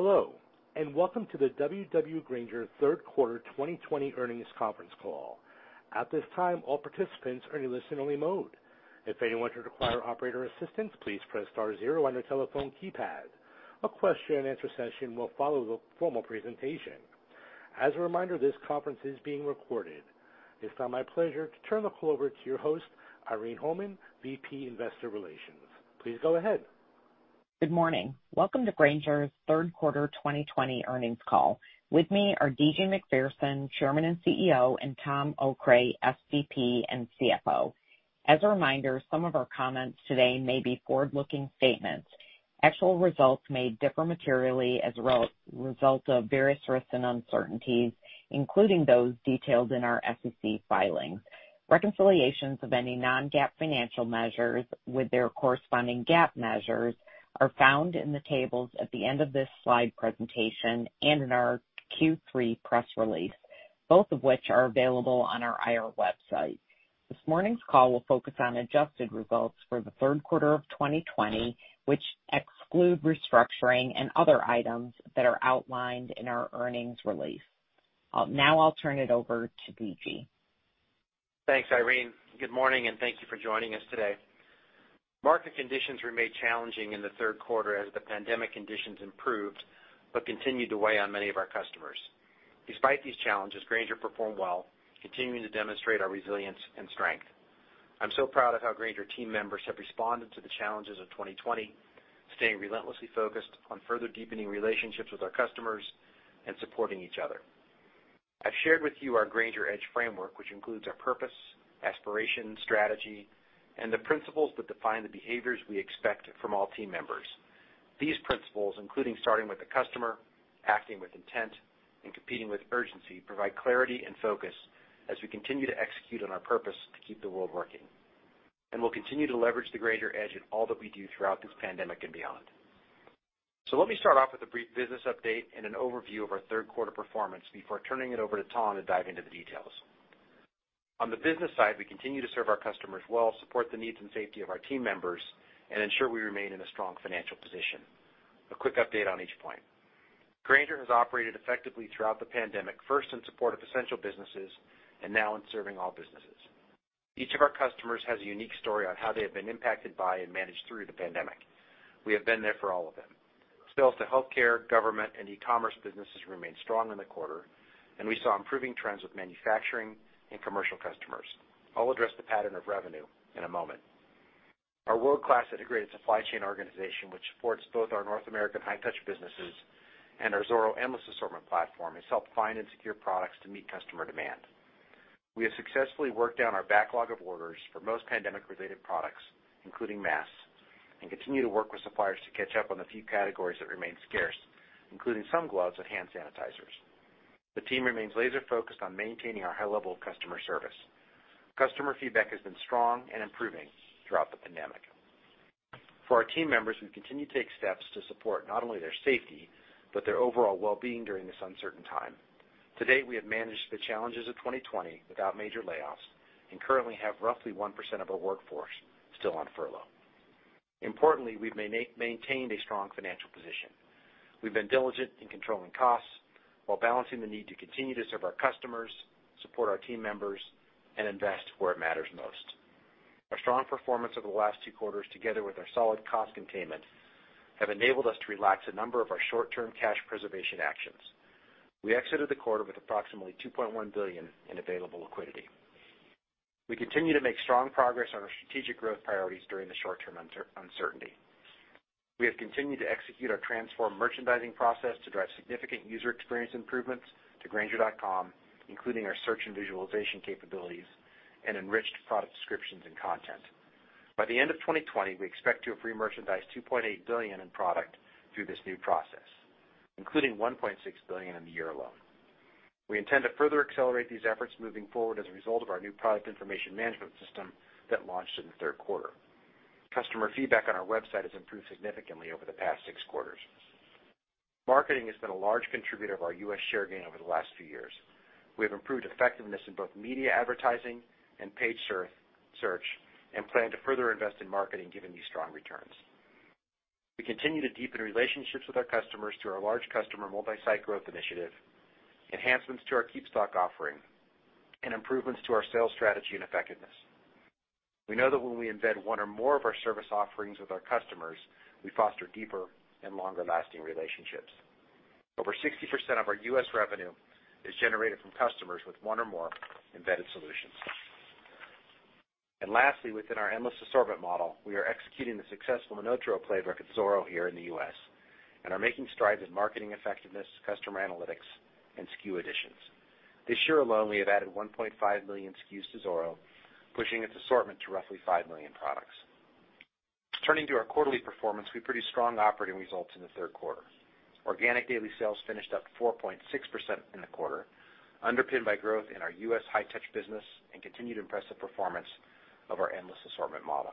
Hello, welcome to the W.W. Grainger third quarter 2020 earnings conference call. At this time, all participants are in listen-only mode. If anyone should require operator assistance, please press star zero on your telephone keypad. A question-and-answer session will follow the formal presentation. As a reminder, this conference is being recorded. It's now my pleasure to turn the call over to your host, Irene Holman, VP Investor Relations. Please go ahead. Good morning. Welcome to Grainger's third quarter 2020 earnings call. With me are D.G. Macpherson, Chairman and CEO, and Tom Okray, SVP and CFO. As a reminder, some of our comments today may be forward-looking statements. Actual results may differ materially as a result of various risks and uncertainties, including those detailed in our SEC filings. Reconciliations of any non-GAAP financial measures with their corresponding GAAP measures are found in the tables at the end of this slide presentation and in our Q3 press release, both of which are available on our IR website. This morning's call will focus on adjusted results for the third quarter of 2020, which exclude restructuring and other items that are outlined in our earnings release. Now I'll turn it over to D.G. Thanks, Irene. Good morning, and thank you for joining us today. Market conditions remained challenging in the third quarter as the pandemic conditions improved but continued to weigh on many of our customers. Despite these challenges, Grainger performed well, continuing to demonstrate our resilience and strength. I'm so proud of how Grainger team members have responded to the challenges of 2020, staying relentlessly focused on further deepening relationships with our customers and supporting each other. I've shared with you our Grainger Edge framework, which includes our purpose, aspiration, strategy, and the principles that define the behaviors we expect from all team members. These principles, including starting with the customer, acting with intent, and competing with urgency, provide clarity and focus as we continue to execute on our purpose to keep the world working. We'll continue to leverage the Grainger Edge in all that we do throughout this pandemic and beyond. Let me start off with a brief business update and an overview of our third quarter performance before turning it over to Tom to dive into the details. On the business side, we continue to serve our customers well, support the needs and safety of our team members, and ensure we remain in a strong financial position. A quick update on each point. Grainger has operated effectively throughout the pandemic, first in support of essential businesses and now in serving all businesses. Each of our customers has a unique story on how they have been impacted by and managed through the pandemic. We have been there for all of them. Sales to healthcare, government, and e-commerce businesses remained strong in the quarter, and we saw improving trends with manufacturing and commercial customers. I'll address the pattern of revenue in a moment. Our world-class integrated supply chain organization, which supports both our North American High-Touch businesses and our Zoro Endless Assortment platform, has helped find and secure products to meet customer demand. We have successfully worked down our backlog of orders for most pandemic-related products, including masks, and continue to work with suppliers to catch up on the few categories that remain scarce, including some gloves and hand sanitizers. The team remains laser-focused on maintaining our high level of customer service. Customer feedback has been strong and improving throughout the pandemic. For our team members, we continue to take steps to support not only their safety, but their overall well-being during this uncertain time. To date, we have managed the challenges of 2020 without major layoffs and currently have roughly 1% of our workforce still on furlough. Importantly, we've maintained a strong financial position. We've been diligent in controlling costs while balancing the need to continue to serve our customers, support our team members, and invest where it matters most. Our strong performance over the last two quarters, together with our solid cost containment, have enabled us to relax a number of our short-term cash preservation actions. We exited the quarter with approximately $2.1 billion in available liquidity. We continue to make strong progress on our strategic growth priorities during the short-term uncertainty. We have continued to execute our transform merchandising process to drive significant user experience improvements to grainger.com, including our search and visualization capabilities and enriched product descriptions and content. By the end of 2020, we expect to have remerchandised $2.8 billion in product through this new process, including $1.6 billion in the year alone. We intend to further accelerate these efforts moving forward as a result of our new product information management system that launched in the third quarter. Customer feedback on our website has improved significantly over the past six quarters. Marketing has been a large contributor of our U.S. share gain over the last few years. We have improved effectiveness in both media advertising and paid search and plan to further invest in marketing, given these strong returns. We continue to deepen relationships with our customers through our large customer multi-site growth initiative, enhancements to our KeepStock offering, and improvements to our sales strategy and effectiveness. We know that when we embed one or more of our service offerings with our customers, we foster deeper and longer-lasting relationships. Over 60% of our U.S. revenue is generated from customers with one or more embedded solutions. Lastly, within our Endless Assortment model, we are executing the successful MonotaRO playbook at Zoro here in the U.S. and are making strides in marketing effectiveness, customer analytics, and SKU additions. This year alone, we have added 1.5 million SKUs to Zoro, pushing its assortment to roughly 5 million products. Turning to our quarterly performance, we produced strong operating results in the third quarter. Organic daily sales finished up 4.6% in the quarter, underpinned by growth in our U.S. High-Touch business and continued impressive performance of our Endless Assortment model.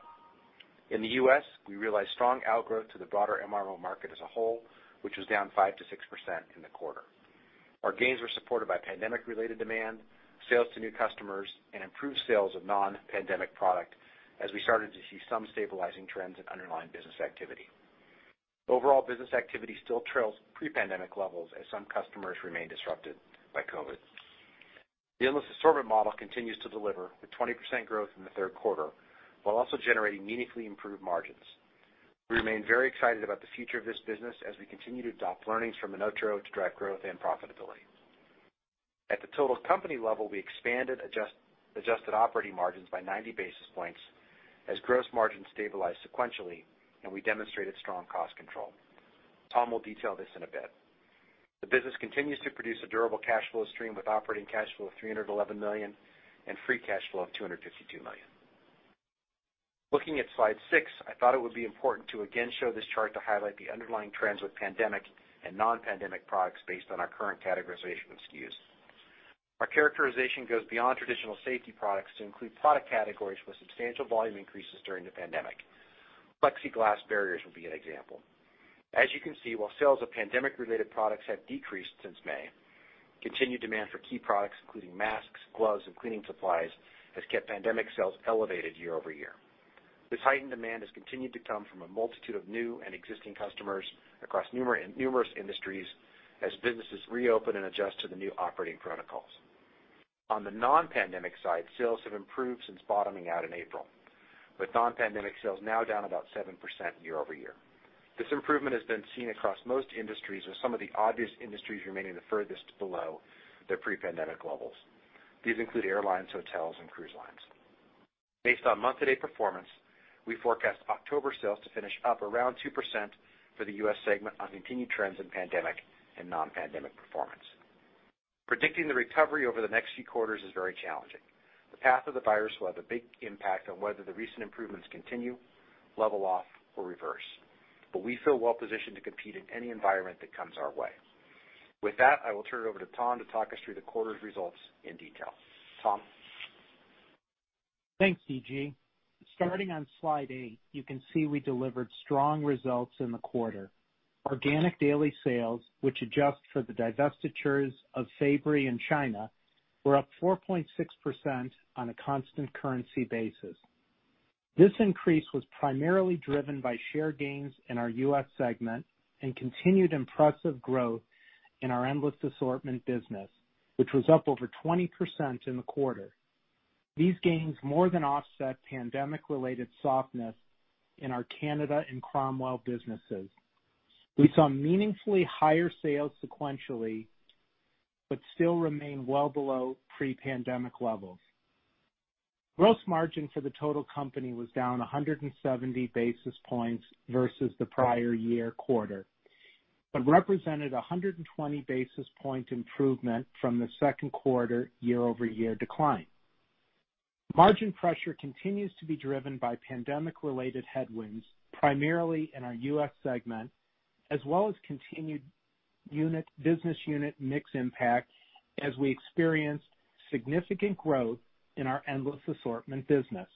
In the U.S., we realized strong outgrowth to the broader MRO market as a whole, which was down 5%-6% in the quarter. Our gains were supported by pandemic-related demand, sales to new customers, and improved sales of non-pandemic product as we started to see some stabilizing trends in underlying business activity. Overall business activity still trails pre-pandemic levels as some customers remain disrupted by COVID. The Endless Assortment model continues to deliver with 20% growth in the third quarter, while also generating meaningfully improved margins. We remain very excited about the future of this business as we continue to adopt learnings from MonotaRO to drive growth and profitability. At the total company level, we expanded adjusted operating margins by 90 basis points as gross margins stabilized sequentially and we demonstrated strong cost control. Tom will detail this in a bit. The business continues to produce a durable cash flow stream with operating cash flow of $311 million and free cash flow of $252 million. Looking at slide six, I thought it would be important to again show this chart to highlight the underlying trends with pandemic and non-pandemic products based on our current categorization of SKUs. Our characterization goes beyond traditional safety products to include product categories with substantial volume increases during the pandemic. Plexiglass barriers would be an example. As you can see, while sales of pandemic-related products have decreased since May, continued demand for key products, including masks, gloves, and cleaning supplies, has kept pandemic sales elevated year-over-year. This heightened demand has continued to come from a multitude of new and existing customers across numerous industries as businesses reopen and adjust to the new operating protocols. On the non-pandemic side, sales have improved since bottoming out in April, with non-pandemic sales now down about 7% year-over-year. This improvement has been seen across most industries, with some of the obvious industries remaining the furthest below their pre-pandemic levels. These include airlines, hotels, and cruise lines. Based on month-to-date performance, we forecast October sales to finish up around 2% for the U.S. segment on continued trends in pandemic and non-pandemic performance. Predicting the recovery over the next few quarters is very challenging. The path of the virus will have a big impact on whether the recent improvements continue, level off, or reverse, but we feel well-positioned to compete in any environment that comes our way. With that, I will turn it over to Tom to talk us through the quarter's results in detail. Tom? Thanks, D.G. Starting on slide eight, you can see we delivered strong results in the quarter. Organic daily sales, which adjust for the divestitures of Fabory and China, were up 4.6% on a constant currency basis. This increase was primarily driven by share gains in our U.S. segment and continued impressive growth in our Endless Assortment business, which was up over 20% in the quarter. These gains more than offset pandemic-related softness in our Canada and Cromwell businesses. We saw meaningfully higher sales sequentially, but still remain well below pre-pandemic levels. Gross margin for the total company was down 170 basis points versus the prior year quarter, but represented 120 basis point improvement from the second quarter year-over-year decline. Margin pressure continues to be driven by pandemic-related headwinds, primarily in our U.S. segment, as well as continued business unit mix impact as we experienced significant growth in our Endless Assortment business.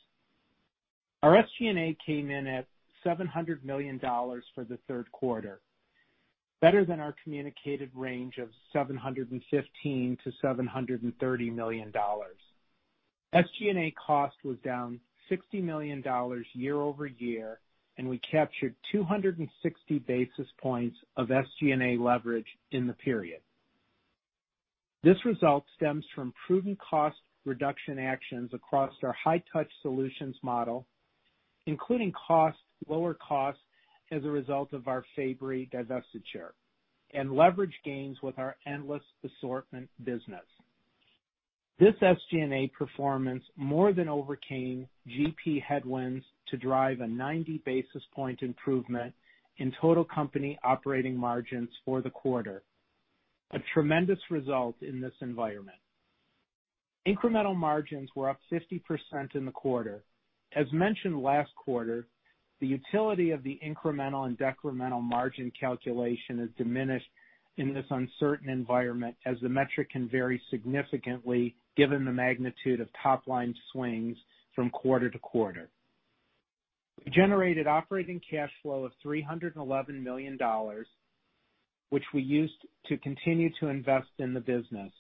Our SG&A came in at $700 million for the third quarter, better than our communicated range of $715 million-$730 million. SG&A cost was down $60 million year-over-year. We captured 260 basis points of SG&A leverage in the period. This result stems from prudent cost reduction actions across our High-Touch Solutions model, including lower costs as a result of our Fabory divestiture and leverage gains with our Endless Assortment business. This SG&A performance more than overcame GP headwinds to drive a 90 basis point improvement in total company operating margins for the quarter, a tremendous result in this environment. Incremental margins were up 50% in the quarter. As mentioned last quarter, the utility of the incremental and decremental margin calculation is diminished in this uncertain environment, as the metric can vary significantly given the magnitude of top-line swings from quarter to quarter. We generated operating cash flow of $311 million, which we used to continue to invest in the business,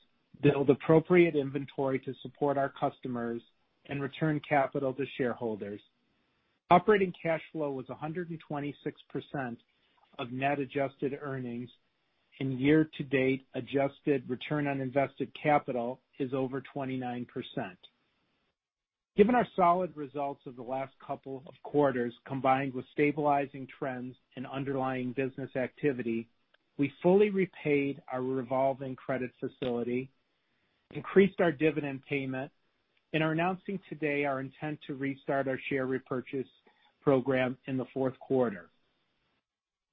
build appropriate inventory to support our customers, and return capital to shareholders. Operating cash flow was 126% of net adjusted earnings, and year to date adjusted return on invested capital is over 29%. Given our solid results of the last couple of quarters, combined with stabilizing trends in underlying business activity, we fully repaid our revolving credit facility, increased our dividend payment, and are announcing today our intent to restart our share repurchase program in the fourth quarter.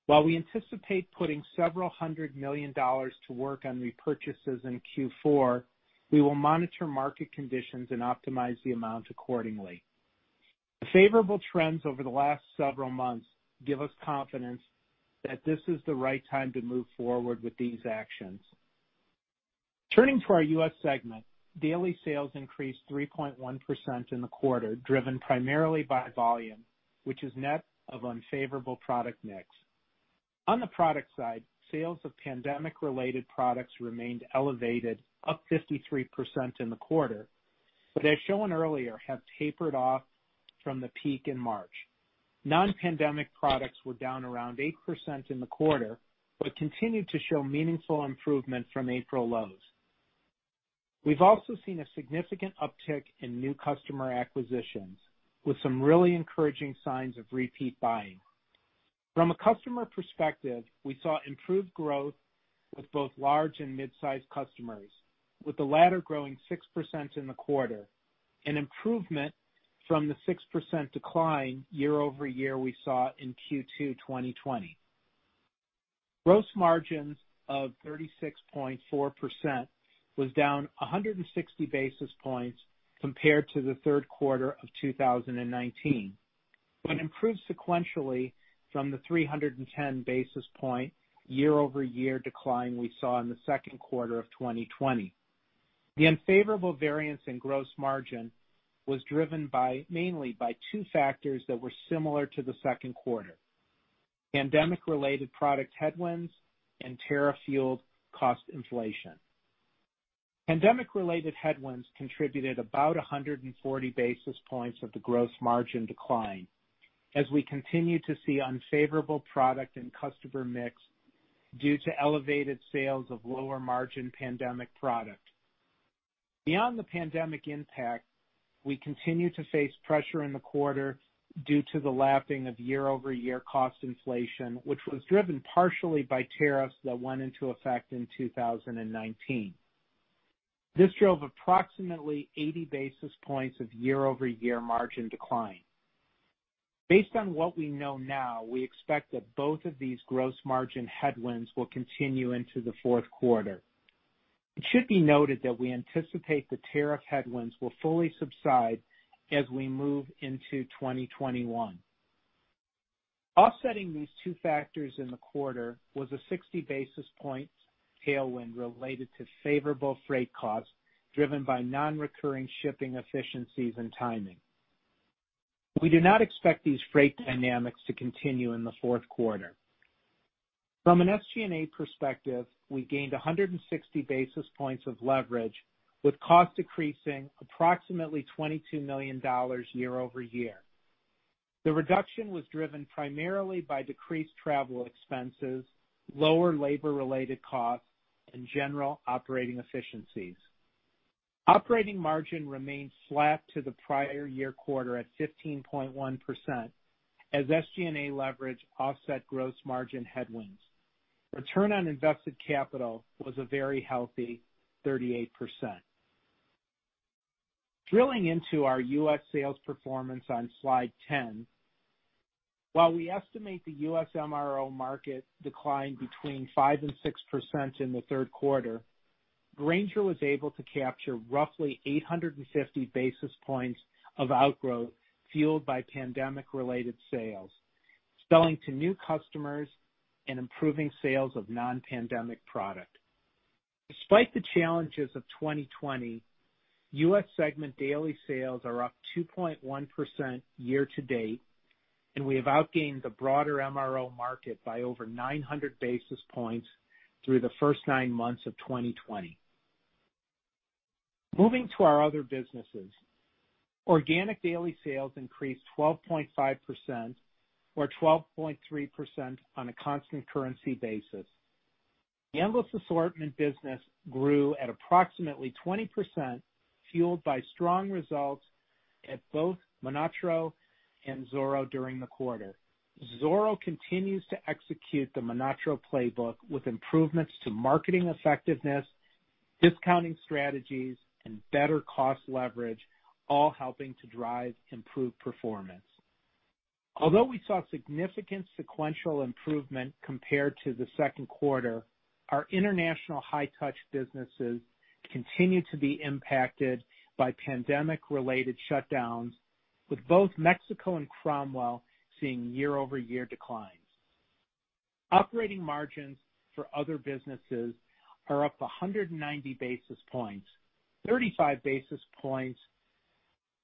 While we anticipate putting several hundred million dollars to work on repurchases in Q4, we will monitor market conditions and optimize the amount accordingly. The favorable trends over the last several months give us confidence that this is the right time to move forward with these actions. Turning to our U.S. segment, daily sales increased 3.1% in the quarter, driven primarily by volume, which is net of unfavorable product mix. On the product side, sales of pandemic-related products remained elevated, up 53% in the quarter, but as shown earlier, have tapered off from the peak in March. Non-pandemic products were down around 8% in the quarter, but continued to show meaningful improvement from April lows. We've also seen a significant uptick in new customer acquisitions, with some really encouraging signs of repeat buying. From a customer perspective, we saw improved growth with both large and mid-size customers, with the latter growing 6% in the quarter, an improvement from the 6% decline year-over-year we saw in Q2 2020. Gross margins of 36.4% was down 160 basis points compared to the third quarter of 2019. It improved sequentially from the 310 basis point year-over-year decline we saw in the second quarter of 2020. The unfavorable variance in gross margin was driven mainly by two factors that were similar to the second quarter, pandemic-related product headwinds and tariff-fueled cost inflation. Pandemic-related headwinds contributed about 140 basis points of the gross margin decline as we continue to see unfavorable product and customer mix due to elevated sales of lower margin pandemic product. Beyond the pandemic impact, we continue to face pressure in the quarter due to the lapping of year-over-year cost inflation, which was driven partially by tariffs that went into effect in 2019. This drove approximately 80 basis points of year-over-year margin decline. Based on what we know now, we expect that both of these gross margin headwinds will continue into the fourth quarter. It should be noted that we anticipate the tariff headwinds will fully subside as we move into 2021. Offsetting these two factors in the quarter was a 60 basis points tailwind related to favorable freight costs, driven by non-recurring shipping efficiencies and timing. We do not expect these freight dynamics to continue in the fourth quarter. From an SG&A perspective, we gained 160 basis points of leverage, with cost decreasing approximately $22 million year-over-year. The reduction was driven primarily by decreased travel expenses, lower labor-related costs, and general operating efficiencies. Operating margin remained flat to the prior year quarter at 15.1% as SG&A leverage offset gross margin headwinds. Return on invested capital was a very healthy 38%. Drilling into our U.S. sales performance on slide 10, while we estimate the U.S. MRO market declined between 5% and 6% in the third quarter, Grainger was able to capture roughly 850 basis points of outgrowth fueled by pandemic-related sales, selling to new customers and improving sales of non-pandemic product. Despite the challenges of 2020, U.S. segment daily sales are up 2.1% year-to-date, and we have outgained the broader MRO market by over 900 basis points through the first nine months of 2020. Moving to our other businesses, organic daily sales increased 12.5%, or 12.3% on a constant currency basis. The Endless Assortment business grew at approximately 20%, fueled by strong results at both MonotaRO and Zoro during the quarter. Zoro continues to execute the MonotaRO playbook with improvements to marketing effectiveness, discounting strategies, and better cost leverage, all helping to drive improved performance. Although we saw significant sequential improvement compared to the second quarter, our international High-Touch businesses continue to be impacted by pandemic-related shutdowns with both Mexico and Cromwell seeing year-over-year declines. Operating margins for other businesses are up 190 basis points, 35 basis points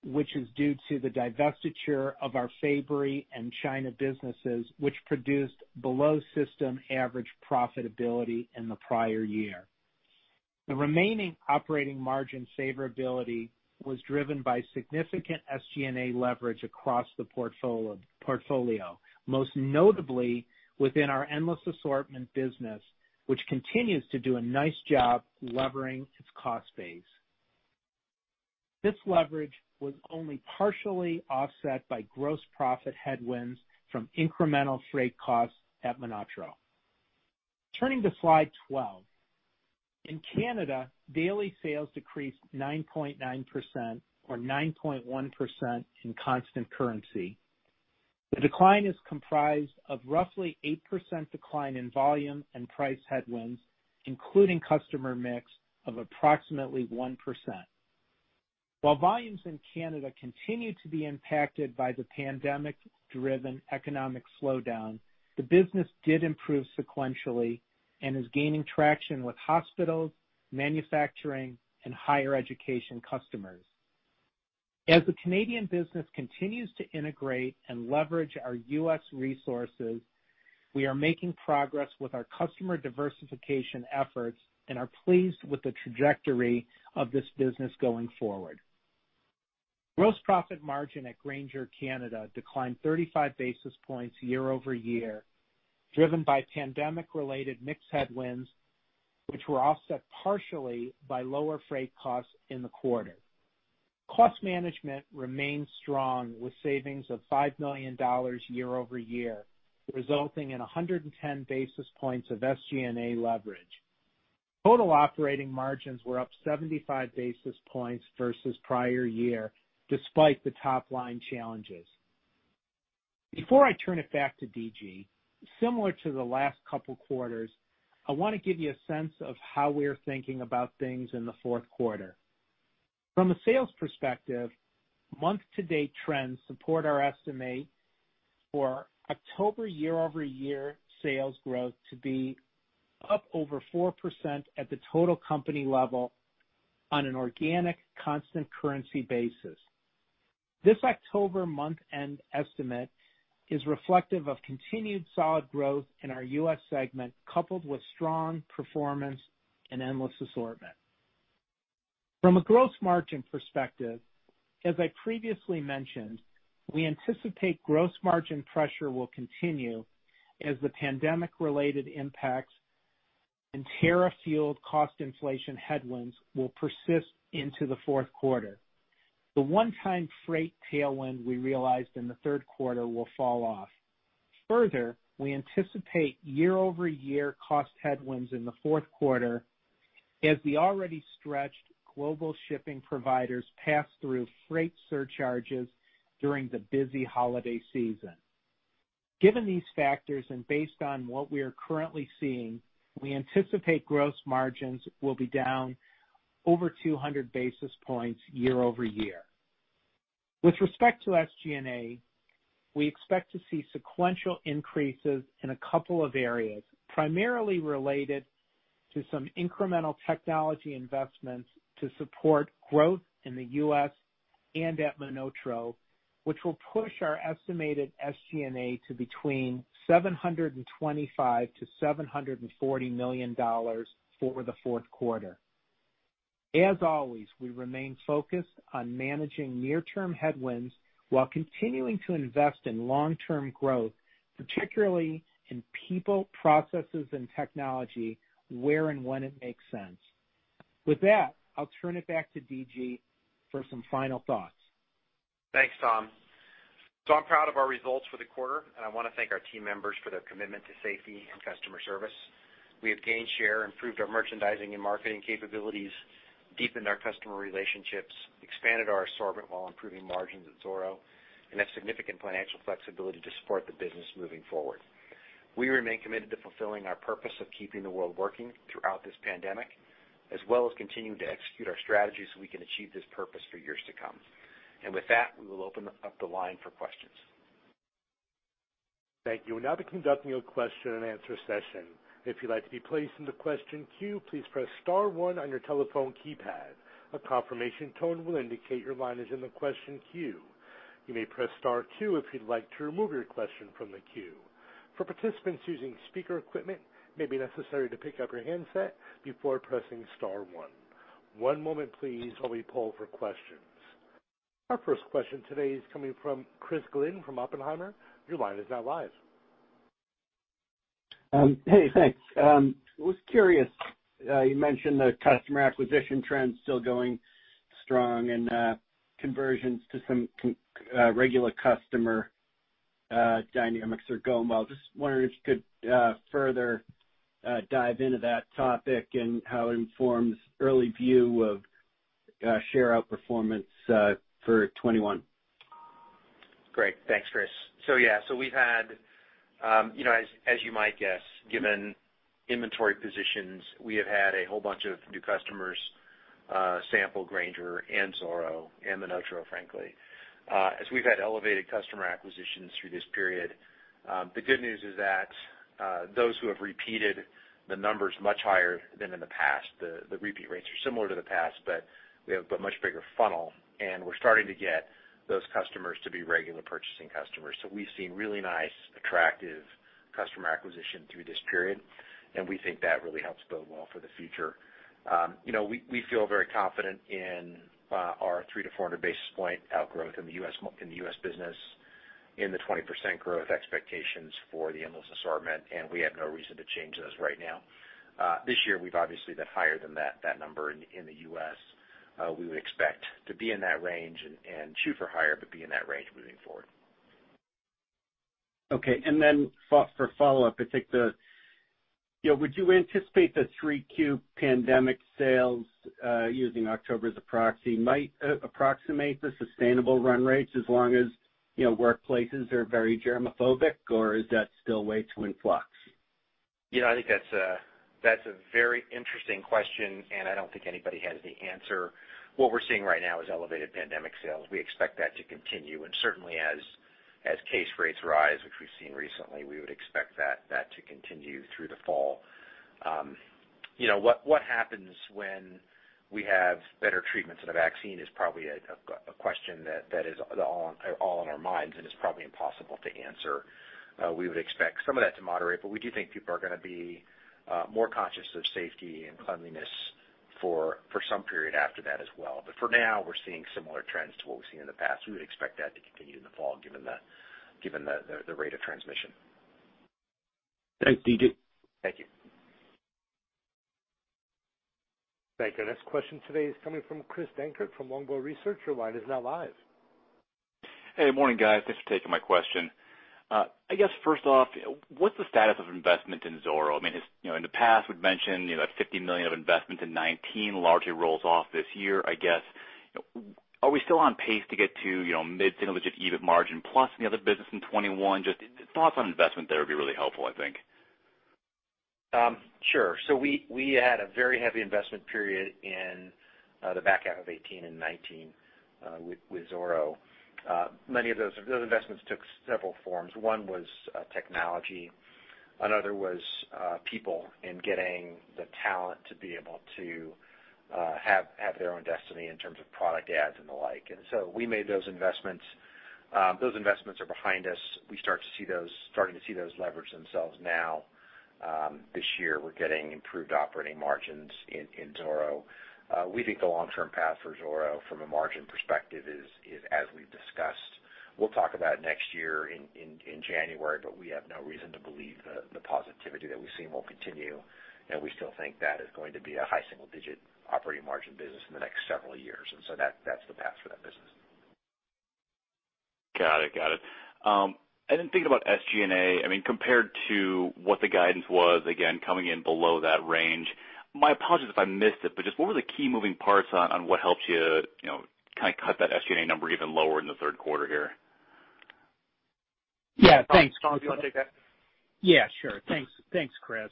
which is due to the divestiture of our Fabory and China businesses, which produced below system average profitability in the prior year. The remaining operating margin favorability was driven by significant SG&A leverage across the portfolio, most notably within our Endless Assortment business, which continues to do a nice job levering its cost base. This leverage was only partially offset by gross profit headwinds from incremental freight costs at MonotaRO. Turning to slide 12. In Canada, daily sales decreased 9.9%, or 9.1% in constant currency. The decline is comprised of roughly 8% decline in volume and price headwinds, including customer mix of approximately 1%. While volumes in Canada continue to be impacted by the pandemic-driven economic slowdown, the business did improve sequentially and is gaining traction with hospitals, manufacturing, and higher education customers. As the Canadian business continues to integrate and leverage our U.S. resources, we are making progress with our customer diversification efforts and are pleased with the trajectory of this business going forward. Gross profit margin at Grainger Canada declined 35 basis points year-over-year, driven by pandemic-related mixed headwinds, which were offset partially by lower freight costs in the quarter. Cost management remains strong, with savings of $5 million year-over-year, resulting in 110 basis points of SG&A leverage. Total operating margins were up 75 basis points versus prior year, despite the top-line challenges. Before I turn it back to D.G., similar to the last couple of quarters, I want to give you a sense of how we're thinking about things in the fourth quarter. From a sales perspective, month-to-date trends support our estimate for October year-over-year sales growth to be up over 4% at the total company level on an organic constant currency basis. This October month-end estimate is reflective of continued solid growth in our U.S. segment, coupled with strong performance and Endless Assortment. From a gross margin perspective, as I previously mentioned, we anticipate gross margin pressure will continue as the pandemic-related impacts and tariff-fueled cost inflation headwinds will persist into the fourth quarter. The one-time freight tailwind we realized in the third quarter will fall off. Further, we anticipate year-over-year cost headwinds in the fourth quarter as the already stretched global shipping providers pass through freight surcharges during the busy holiday season. Given these factors and based on what we are currently seeing, we anticipate gross margins will be down over 200 basis points year-over-year. With respect to SG&A, we expect to see sequential increases in a couple of areas, primarily related to some incremental technology investments to support growth in the U.S. and at MonotaRO, which will push our estimated SG&A to between $725 million-$740 million for the fourth quarter. As always, we remain focused on managing near-term headwinds while continuing to invest in long-term growth, particularly in people, processes, and technology, where and when it makes sense. With that, I'll turn it back to D.G. for some final thoughts. Thanks, Tom. I'm proud of our results for the quarter, and I want to thank our team members for their commitment to safety and customer service. We have gained share, improved our merchandising and marketing capabilities, deepened our customer relationships, expanded our assortment while improving margins at Zoro, and have significant financial flexibility to support the business moving forward. We remain committed to fulfilling our purpose of keeping the world working throughout this pandemic, as well as continuing to execute our strategy so we can achieve this purpose for years to come. With that, we will open up the line for questions. Thank you. We'll now be conducting a question-and-answer session. Our first question today is coming from Chris Glynn from Oppenheimer. Your line is now live. Hey, thanks. I was curious, you mentioned the customer acquisition trends still going strong and conversions to some regular customer dynamics are going well. Just wondering if you could further dive into that topic and how it informs early view of share outperformance for 2021. Great. Thanks, Chris. Yeah, as you might guess, given inventory positions, we have had a whole bunch of new customers sample Grainger and Zoro and MonotaRO, frankly. As we've had elevated customer acquisitions through this period, the good news is that those who have repeated the numbers much higher than in the past, the repeat rates are similar to the past, but we have a much bigger funnel, and we're starting to get those customers to be regular purchasing customers. We've seen really nice, attractive customer acquisition through this period, and we think that really helps bode well for the future. We feel very confident in our 300-400 basis point outgrowth in the U.S. business, in the 20% growth expectations for the Endless Assortment, and we have no reason to change those right now. This year, we've obviously been higher than that number in the U.S. We would expect to be in that range and shoot for higher, but be in that range moving forward. Okay, for follow-up, I think, would you anticipate the 3Q pandemic sales, using October as a proxy, might approximate the sustainable run rates as long as workplaces are very germaphobic, or is that still way too in flux? I think that's a very interesting question, and I don't think anybody has the answer. What we're seeing right now is elevated pandemic sales. We expect that to continue. Certainly as case rates rise, which we've seen recently, we would expect that to continue through the fall. What happens when we have better treatments and a vaccine is probably a question that is all in our minds and is probably impossible to answer. We would expect some of that to moderate, but we do think people are going to be more conscious of safety and cleanliness for some period after that as well. For now, we're seeing similar trends to what we've seen in the past. We would expect that to continue in the fall, given the rate of transmission. Thanks, D.G. Thank you. Thank you. Our next question today is coming from Chris Dankert from Longbow Research. Your line is now live. Hey, good morning, guys. Thanks for taking my question. I guess first off, what's the status of investment in Zoro? In the past, we'd mentioned that $50 million of investment in 2019 largely rolls off this year, I guess. Are we still on pace to get to mid-single digit EBIT margin plus any other business in 2021? Just thoughts on investment there would be really helpful, I think. Sure. We had a very heavy investment period in the back half of 2018 and 2019 with Zoro. Many of those investments took several forms. One was technology, another was people and getting the talent to be able to have their own destiny in terms of product adds and the like. We made those investments. Those investments are behind us. We're starting to see those leverage themselves now. This year, we're getting improved operating margins in Zoro. We think the long-term path for Zoro from a margin perspective is as we've discussed. We'll talk about next year in January, but we have no reason to believe the positivity that we've seen won't continue, and we still think that is going to be a high single-digit operating margin business in the next several years. That's the path for that business. Got it. Thinking about SG&A, compared to what the guidance was, again, coming in below that range. My apologies if I missed it, but just what were the key moving parts on what helped you kind of cut that SG&A number even lower in the third quarter here? Yeah, thanks. Tom, do you want to take that? Yeah, sure. Thanks, Chris.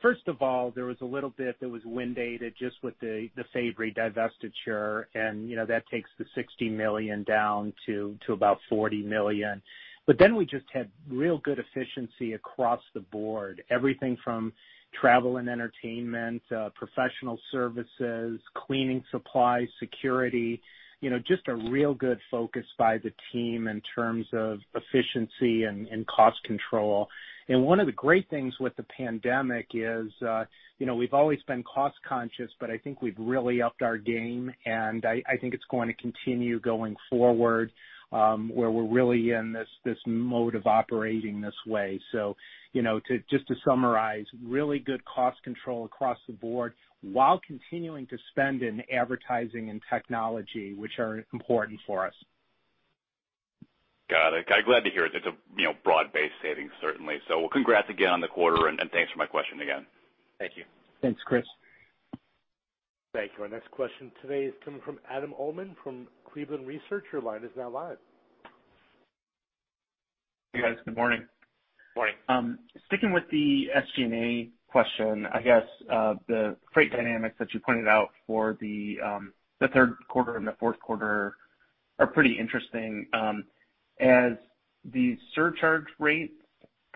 First of all, there was a little bit that was wind data just with the Fabory divestiture. That takes the $60 million down to about $40 million. We just had real good efficiency across the board. Everything from travel and entertainment, professional services, cleaning supplies, security. Just a real good focus by the team in terms of efficiency and cost control. One of the great things with the pandemic is we've always been cost conscious. I think we've really upped our game. I think it's going to continue going forward, where we're really in this mode of operating this way. Just to summarize, really good cost control across the board while continuing to spend in advertising and technology, which are important for us. Got it. Glad to hear it's a broad-based savings, certainly. Congrats again on the quarter, and thanks for my question again. Thank you. Thanks, Chris. Thank you. Our next question today is coming from Adam Uhlman from Cleveland Research. Hey, guys. Good morning. Morning. Sticking with the SG&A question, I guess the freight dynamics that you pointed out for the third quarter and the fourth quarter are pretty interesting. As the surcharge rates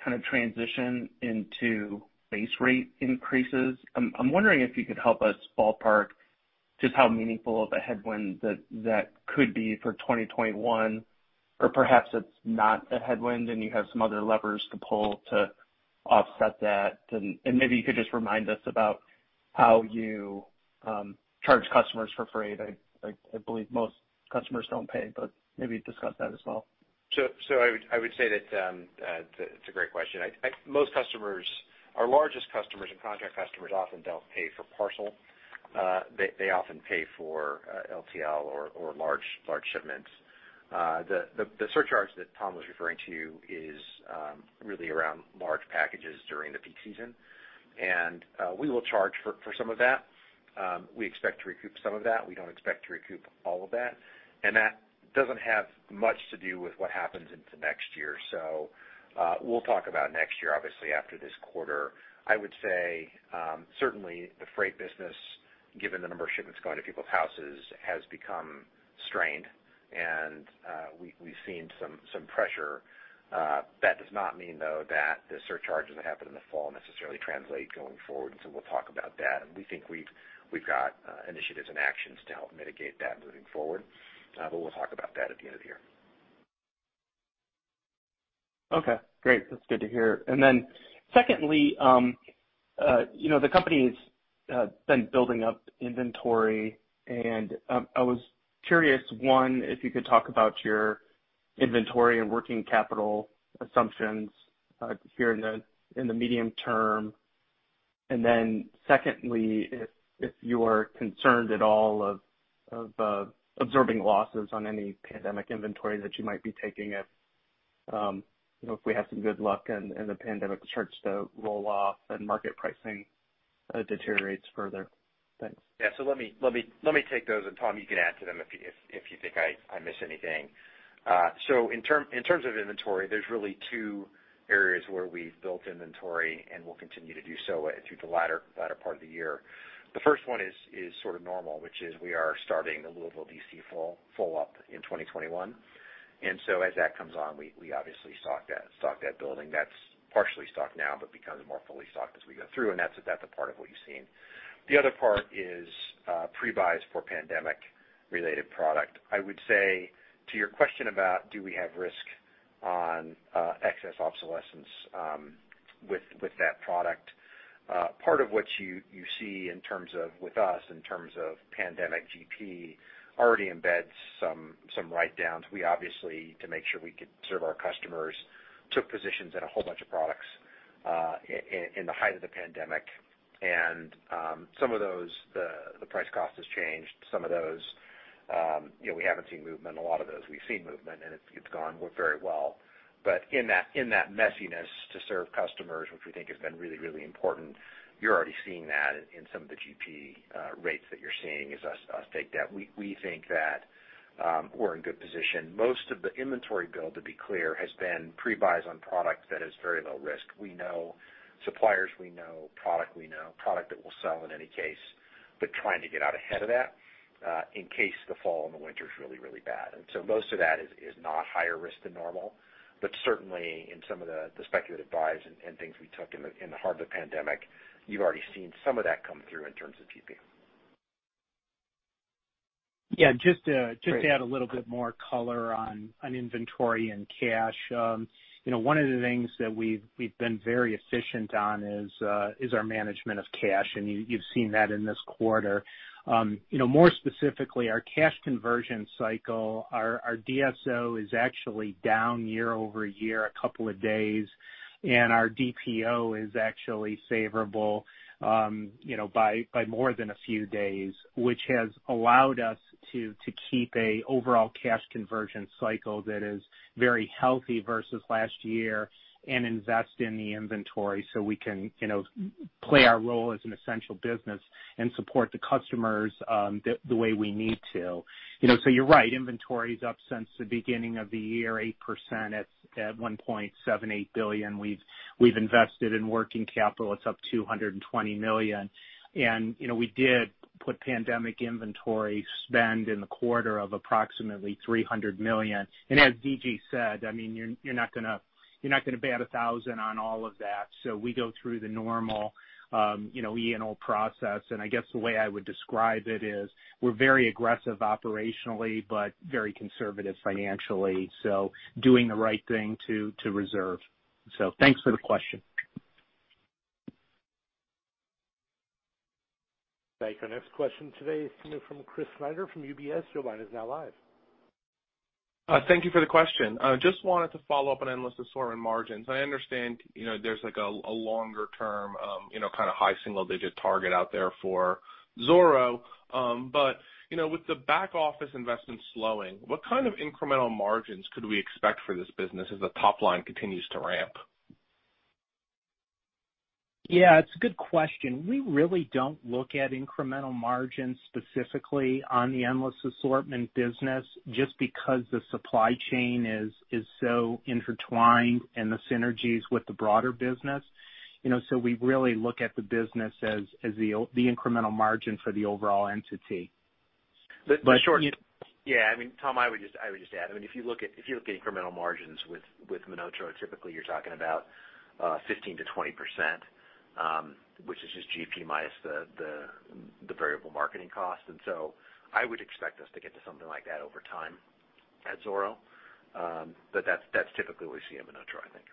kind of transition into base rate increases, I'm wondering if you could help us ballpark just how meaningful of a headwind that could be for 2021, or perhaps it's not a headwind and you have some other levers to pull to offset that. Maybe you could just remind us about how you charge customers for freight. I believe most customers don't pay, but maybe discuss that as well. I would say that it's a great question. Most customers, our largest customers and contract customers often don't pay for parcel. They often pay for LTL or large shipments. The surcharge that Tom was referring to is really around large packages during the peak season, and we will charge for some of that. We expect to recoup some of that. We don't expect to recoup all of that, and that doesn't have much to do with what happens into next year. We'll talk about next year, obviously, after this quarter. I would say certainly the freight business, given the number of shipments going to people's houses, has become strained and we've seen some pressure. That does not mean, though, that the surcharges that happen in the fall necessarily translate going forward, and so we'll talk about that. We think we've got initiatives and actions to help mitigate that moving forward. We'll talk about that at the end of the year. Okay, great. That's good to hear. Secondly, the company's been building up inventory, and I was curious, one, if you could talk about your inventory and working capital assumptions here in the medium term, and then secondly, if you are concerned at all of absorbing losses on any pandemic inventory that you might be taking if we have some good luck and the pandemic starts to roll off. It deteriorates further. Thanks. Let me take those, Tom, you can add to them if you think I miss anything. In terms of inventory, there's really two areas where we've built inventory and will continue to do so through the latter part of the year. The first one is sort of normal, which is we are starting the Louisville DC full up in 2021. As that comes on, we obviously stock that building. That's partially stocked now, but becomes more fully stocked as we go through. That's a part of what you've seen. The other part is pre-buys for pandemic-related product. I would say to your question about do we have risk on excess obsolescence with that product? Part of what you see in terms of with us, in terms of pandemic GP already embeds some write-downs. We obviously, to make sure we could serve our customers, took positions in a whole bunch of products in the height of the pandemic. Some of those, the price cost has changed. Some of those we haven't seen movement. A lot of those, we've seen movement, and it's gone very well. In that messiness to serve customers, which we think has been really important, you're already seeing that in some of the GP rates that you're seeing as us take that. We think that we're in good position. Most of the inventory build, to be clear, has been pre-buys on product that is very low risk. Suppliers we know, product we know, product that we'll sell in any case, but trying to get out ahead of that in case the fall and the winter is really bad. Most of that is not higher risk than normal, but certainly in some of the speculative buys and things we took in the heart of the pandemic, you've already seen some of that come through in terms of GP. Yeah. Just to add a little bit more color on inventory and cash. One of the things that we've been very efficient on is our management of cash, and you've seen that in this quarter. More specifically, our cash conversion cycle, our DSO is actually down year-over-year a couple of days, and our DPO is actually favorable by more than a few days, which has allowed us to keep an overall cash conversion cycle that is very healthy versus last year and invest in the inventory so we can play our role as an essential business and support the customers the way we need to. You're right, inventory is up since the beginning of the year, 8% at $1.78 billion. We've invested in working capital. It's up $220 million. We did put pandemic inventory spend in the quarter of approximately $300 million. As D.G. said, you're not going to bat 1,000 on all of that. We go through the normal E&O process, and I guess the way I would describe it is we're very aggressive operationally, but very conservative financially. Doing the right thing to reserve. Thanks for the question. Thank you. Our next question today is coming from Chris Snyder from UBS. Your line is now live. Thank you for the question. Just wanted to follow up on Endless Assortment margins. I understand there's like a longer term kind of high single digit target out there for Zoro. With the back office investment slowing, what kind of incremental margins could we expect for this business as the top line continues to ramp? It's a good question. We really don't look at incremental margins specifically on the Endless Assortment business just because the supply chain is so intertwined and the synergies with the broader business. We really look at the business as the incremental margin for the overall entity. Tom, I would just add, if you look at incremental margins with MonotaRO, typically you're talking about 15%-20%, which is just GP minus the variable marketing cost. I would expect us to get to something like that over time at Zoro. That's typically what we see at MonotaRO, I think.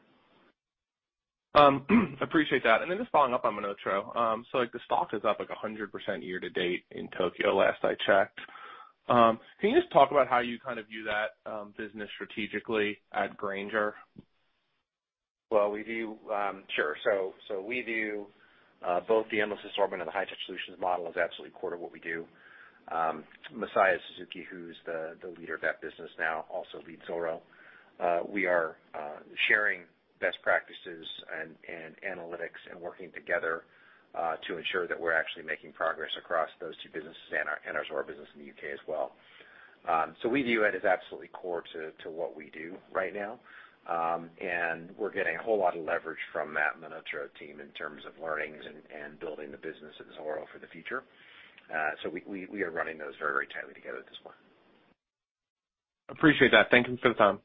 Appreciate that. Just following up on MonotaRO. Like the stock is up like 100% year-to-date in Tokyo, last I checked. Can you just talk about how you kind of view that business strategically at Grainger? Sure. We view both the Endless Assortment and the High-Touch Solutions model as absolutely core to what we do. Masaya Suzuki, who's the leader of that business now, also leads Zoro. We are sharing best practices and analytics and working together to ensure that we're actually making progress across those two businesses and our Zoro business in the U.K. as well. We view it as absolutely core to what we do right now. We're getting a whole lot of leverage from that MonotaRO team in terms of learnings and building the business at Zoro for the future. We are running those very tightly together at this point. Appreciate that. Thank you for the time.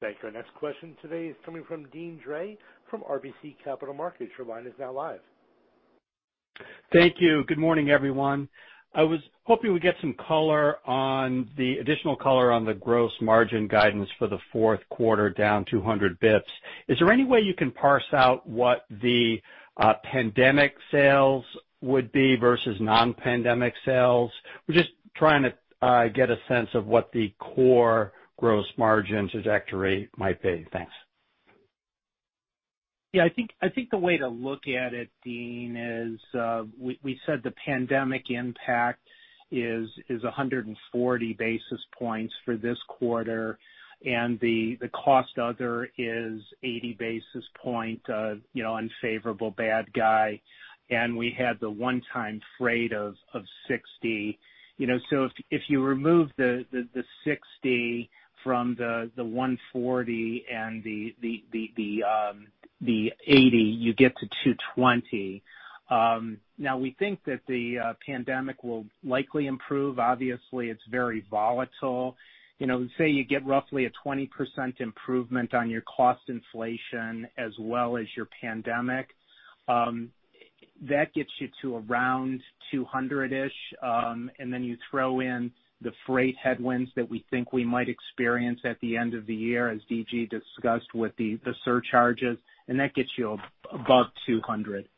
Thank you. Our next question today is coming from Deane Dray from RBC Capital Markets. Your line is now live. Thank you. Good morning, everyone. I was hoping we'd get some additional color on the gross margin guidance for the fourth quarter, down 200 basis points. Is there any way you can parse out what the pandemic sales would be versus non-pandemic sales? We're just trying to get a sense of what the core gross margin trajectory might be. Thanks. Yeah, I think the way to look at it, Deane, is we said the pandemic impact is 140 basis points for this quarter, and the cost other is 80 basis point unfavorable bad guy, and we had the one-time freight of 60. If you remove the 60 from the 140 and the 80, you get to 220. Now, we think that the pandemic will likely improve. Obviously, it's very volatile. Say you get roughly a 20% improvement on your cost inflation as well as your pandemic. That gets you to around 200-ish, and then you throw in the freight headwinds that we think we might experience at the end of the year, as D.G. discussed with the surcharges, and that gets you above 200.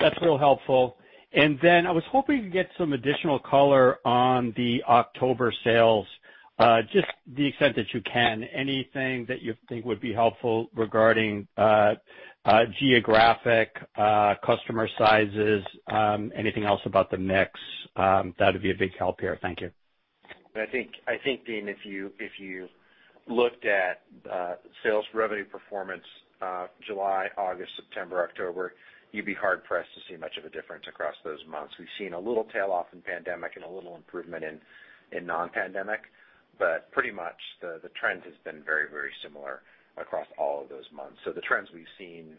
That's real helpful. I was hoping to get some additional color on the October sales, just the extent that you can. Anything that you think would be helpful regarding geographic customer sizes, anything else about the mix, that would be a big help here. Thank you. I think, Deane, if you looked at sales revenue performance July, August, September, October, you'd be hard-pressed to see much of a difference across those months. We've seen a little tail off in pandemic and a little improvement in non-pandemic. Pretty much the trend has been very similar across all of those months. The trends we've seen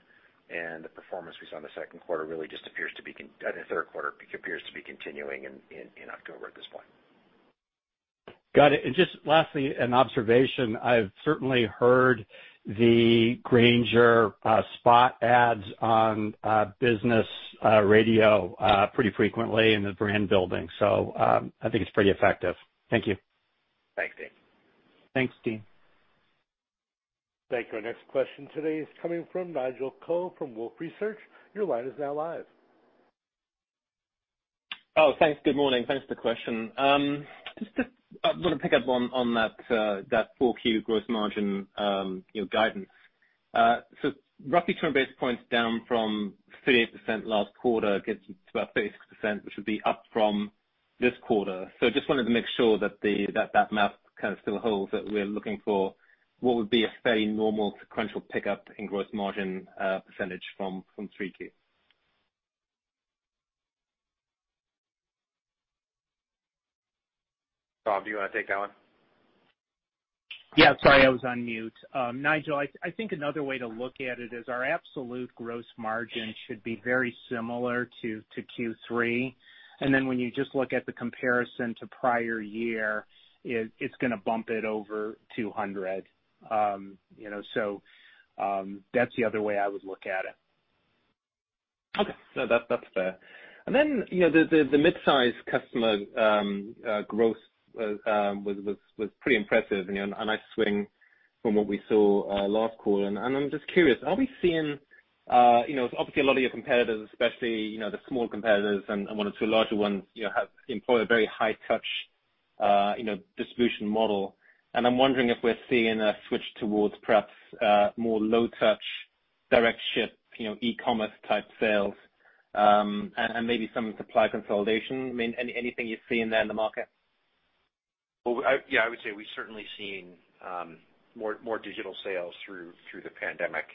and the performance we saw in the second quarter really just the third quarter appears to be continuing in October at this point. Got it. Just lastly, an observation. I've certainly heard the Grainger spot ads on business radio pretty frequently in the brand building, so I think it's pretty effective. Thank you. Thanks, Deane. Thanks, Deane. Thank you. Our next question today is coming from Nigel Coe from Wolfe Research. Your line is now live. Thanks. Good morning. Thanks for the question. Just want to pick up on that 4Q gross margin guidance. Roughly 200 basis points down from 38% last quarter gets you to about 36%, which would be up from this quarter. Just wanted to make sure that map kind of still holds, that we're looking for what would be a fairly normal sequential pickup in gross margin percentage from 3Q. Tom, do you want to take that one? Yeah. Sorry, I was on mute. Nigel, I think another way to look at it is our absolute gross margin should be very similar to Q3. When you just look at the comparison to prior year, it's going to bump it over 200. That's the other way I would look at it. Okay. No, that's fair. The midsize customer growth was pretty impressive, a nice swing from what we saw last quarter. I'm just curious, are we seeing obviously a lot of your competitors, especially the small competitors and one or two larger ones, employ a very high-touch distribution model. I'm wondering if we're seeing a switch towards perhaps more low touch, direct ship, e-commerce type sales, and maybe some supply consolidation. Anything you're seeing there in the market? Yeah, I would say we've certainly seen more digital sales through the pandemic.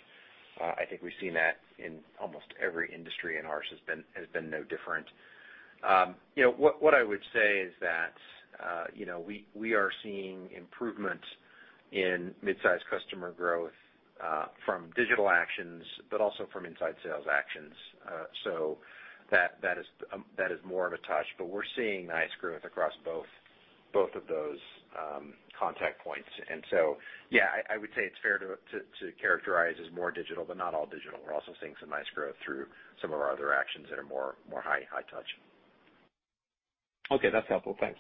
I think we've seen that in almost every industry, and ours has been no different. What I would say is that we are seeing improvement in midsize customer growth from digital actions, but also from inside sales actions. That is more of a touch, but we're seeing nice growth across both of those contact points. Yeah, I would say it's fair to characterize as more digital, but not all digital. We're also seeing some nice growth through some of our other actions that are more high-touch. Okay, that's helpful. Thanks.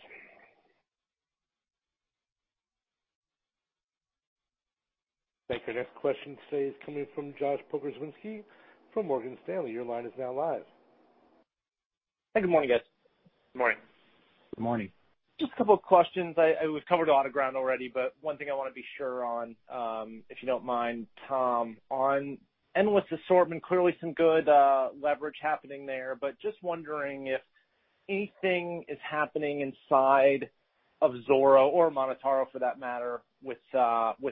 Thank you. Next question today is coming from Josh Pokrzywinski from Morgan Stanley. Your line is now live. Hey, good morning, guys. Good morning. Good morning. Just a couple of questions. We've covered a lot of ground already, but one thing I want to be sure on, if you don't mind, Tom, on Endless Assortment, clearly some good leverage happening there, but just wondering if anything is happening inside of Zoro or MonotaRO for that matter, with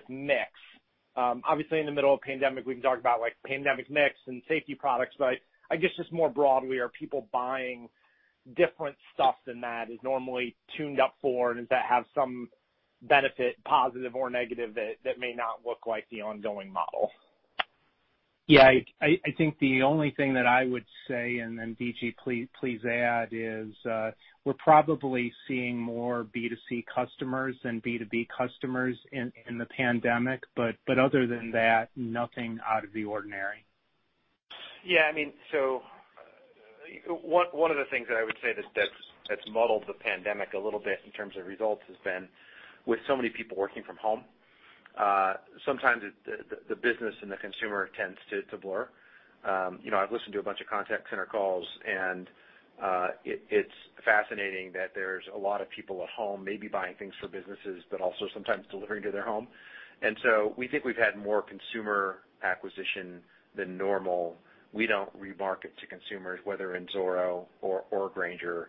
mix. Obviously, in the middle of pandemic, we can talk about pandemic mix and safety products, but I guess just more broadly, are people buying different stuff than that is normally tuned up for and does that have some benefit, positive or negative, that may not look like the ongoing model? Yeah. I think the only thing that I would say, and then DG, please add, is we're probably seeing more B2C customers than B2B customers in the pandemic. Other than that, nothing out of the ordinary. Yeah. One of the things that I would say that's muddled the pandemic a little bit in terms of results has been with so many people working from home. Sometimes the business and the consumer tends to blur. I've listened to a bunch of contact center calls, and it's fascinating that there's a lot of people at home maybe buying things for businesses, but also sometimes delivering to their home. We think we've had more consumer acquisition than normal. We don't remarket to consumers, whether in Zoro or Grainger.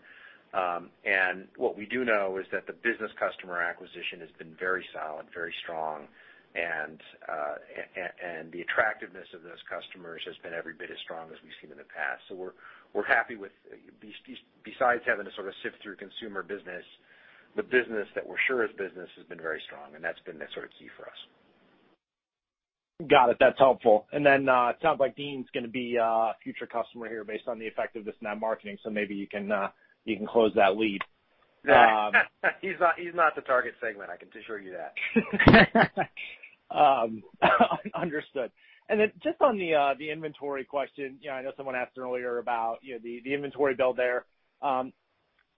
What we do know is that the business customer acquisition has been very solid, very strong, and the attractiveness of those customers has been every bit as strong as we've seen in the past. We're happy with, besides having to sort of sift through consumer business, the business that we're sure is business has been very strong, and that's been the sort of key for us. Got it. That's helpful. It sounds like Deane's going to be a future customer here based on the effectiveness in that marketing. Maybe you can close that lead. He's not the target segment, I can assure you that. Understood. Just on the inventory question, I know someone asked earlier about the inventory build there.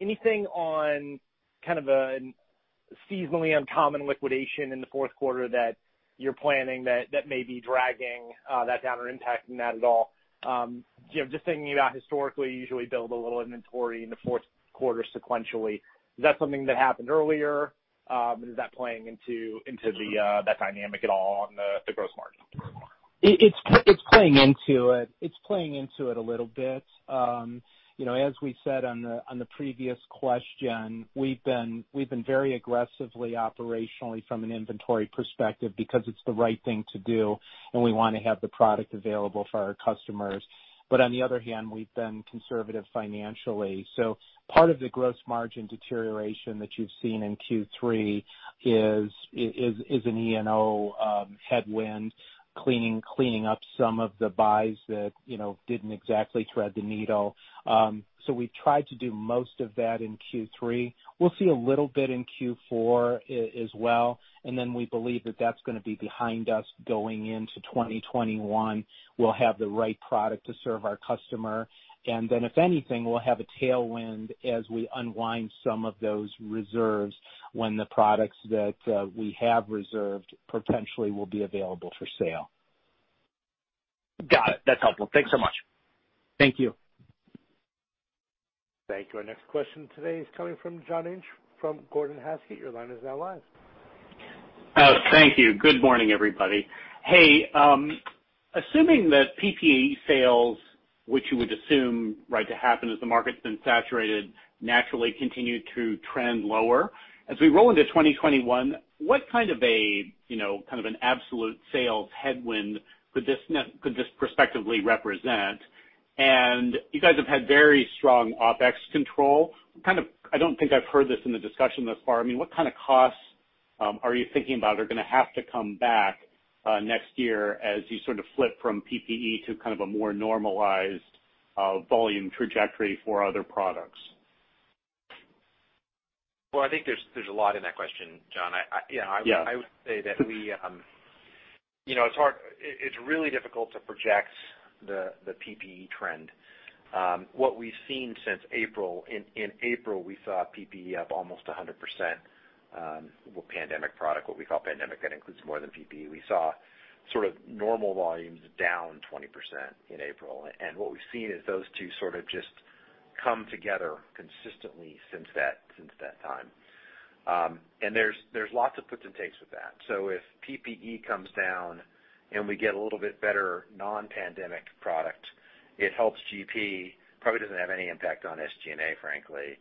Anything on kind of a seasonally uncommon liquidation in the fourth quarter that you're planning that may be dragging that down or impacting that at all? Just thinking about historically, usually build a little inventory in the fourth quarter sequentially. Is that something that happened earlier? Is that playing into the dynamic at all on the gross margin? It's playing into it. It's playing into it a little bit. As we said on the previous question, we've been very aggressively operationally from an inventory perspective because it's the right thing to do, and we want to have the product available for our customers. On the other hand, we've been conservative financially. Part of the gross margin deterioration that you've seen in Q3 is an E&O headwind cleaning up some of the buys that didn't exactly thread the needle. We've tried to do most of that in Q3. We'll see a little bit in Q4 as well, and then we believe that's going to be behind us going into 2021. We'll have the right product to serve our customer. If anything, we'll have a tailwind as we unwind some of those reserves when the products that we have reserved potentially will be available for sale. Got it. That's helpful. Thanks so much. Thank you. Thank you. Our next question today is coming from John Inch from Gordon Haskett. Your line is now live. Thank you. Good morning, everybody. Hey, assuming that PPE sales, which you would assume right to happen as the market's been saturated, naturally continue to trend lower. As we roll into 2021, what kind of an absolute sales headwind could this prospectively represent? You guys have had very strong OpEx control. I don't think I've heard this in the discussion thus far. What kind of costs are you thinking about are going to have to come back next year as you sort of flip from PPE to kind of a more normalized volume trajectory for other products? Well, I think there's a lot in that question, John. Yeah. I would say that it's really difficult to project the PPE trend. What we've seen since April, in April, we saw PPE up almost 100%, pandemic product, what we call pandemic, that includes more than PPE. We saw sort of normal volumes down 20% in April. What we've seen is those two sort of just come together consistently since that time. There's lots of puts and takes with that. If PPE comes down and we get a little bit better non-pandemic product, it helps GP, probably doesn't have any impact on SG&A, frankly.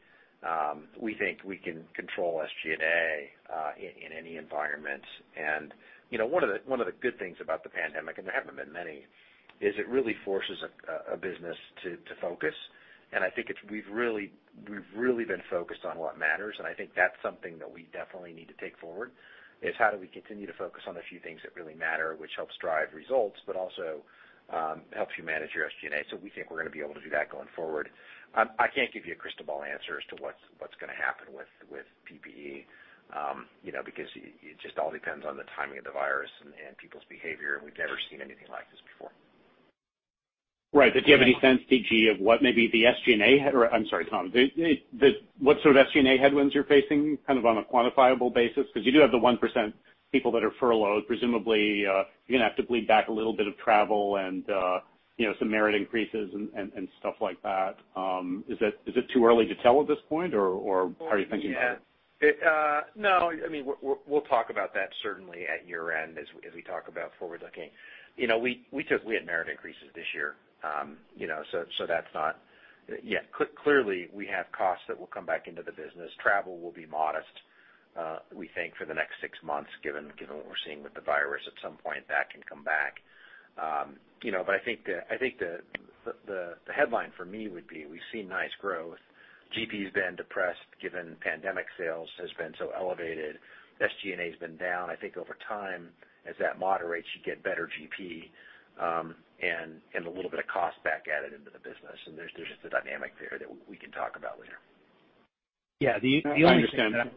We think we can control SG&A in any environment. One of the good things about the pandemic, and there haven't been many, is it really forces a business to focus. I think we've really been focused on what matters, and I think that's something that we definitely need to take forward, is how do we continue to focus on the few things that really matter, which helps drive results, but also helps you manage your SG&A. We think we're going to be able to do that going forward. I can't give you a crystal ball answer as to what's going to happen with PPE because it just all depends on the timing of the virus and people's behavior. We've never seen anything like this before. Right. Do you have any sense, D.G., of what maybe the SG&A, or I'm sorry, Tom, what sort of SG&A headwinds you're facing on a quantifiable basis? Because you do have the 1% people that are furloughed, presumably you're going to have to bleed back a little bit of travel and some merit increases and stuff like that. Is it too early to tell at this point, or how are you thinking about it? No. We'll talk about that certainly at year-end as we talk about forward-looking. We had merit increases this year. Clearly, we have costs that will come back into the business. Travel will be modest, we think, for the next six months, given what we're seeing with the virus. At some point, that can come back. I think the headline for me would be we've seen nice growth. GP has been depressed given pandemic sales has been so elevated. SG&A has been down. I think over time, as that moderates, you get better GP and a little bit of cost back at it into the business. There's just a dynamic there that we can talk about later. Yeah. I understand. I'm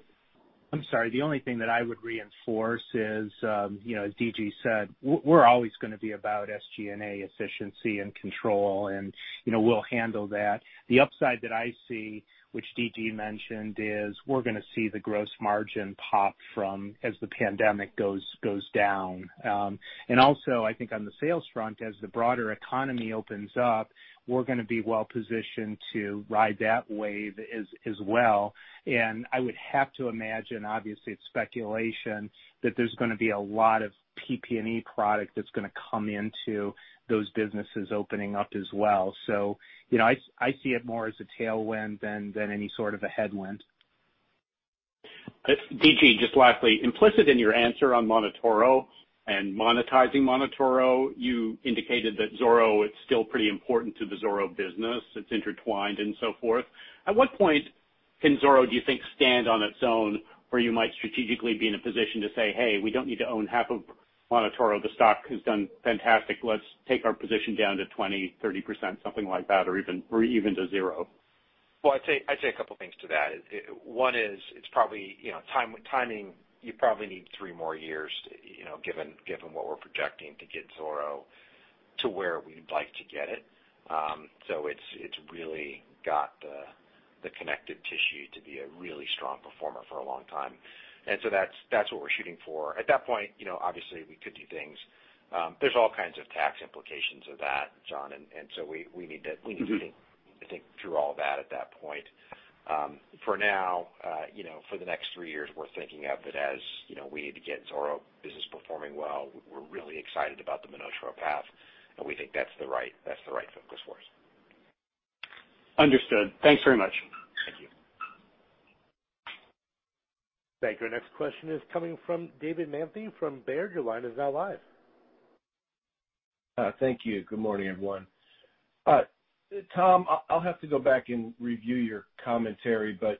sorry. The only thing that I would reinforce is, as DG said, we're always gonna be about SG&A efficiency and control and we'll handle that. The upside that I see, which DG mentioned, is we're gonna see the gross margin pop as the pandemic goes down. Also, I think on the sales front, as the broader economy opens up, we're gonna be well-positioned to ride that wave as well. I would have to imagine, obviously, it's speculation, that there's gonna be a lot of PPE product that's gonna come into those businesses opening up as well. I see it more as a tailwind than any sort of a headwind. D.G., just lastly, implicit in your answer on MonotaRO and monetizing MonotaRO, you indicated that Zoro is still pretty important to the Zoro business. It's intertwined and so forth. At what point can Zoro, do you think, stand on its own where you might strategically be in a position to say, "Hey, we don't need to own half of MonotaRO." The stock has done fantastic. Let's take our position down to 20%-30%, something like that, or even to zero? I'd say a couple things to that. One is it's probably timing. You probably need three more years, given what we're projecting to get Zoro to where we'd like to get it. It's really got the connected tissue to be a really strong performer for a long time. That's what we're shooting for. At that point obviously we could do things. There's all kinds of tax implications of that, John, and so we need to think through all of that at that point. For now for the next three years, we're thinking of it as we need to get Zoro business performing well. We're really excited about the MonotaRO path, and we think that's the right focus for us. Understood. Thanks very much. Thank you. Thank you. Our next question is coming from David Manthey from Baird. Your line is now live. Thank you. Good morning, everyone. Tom, I'll have to go back and review your commentary, but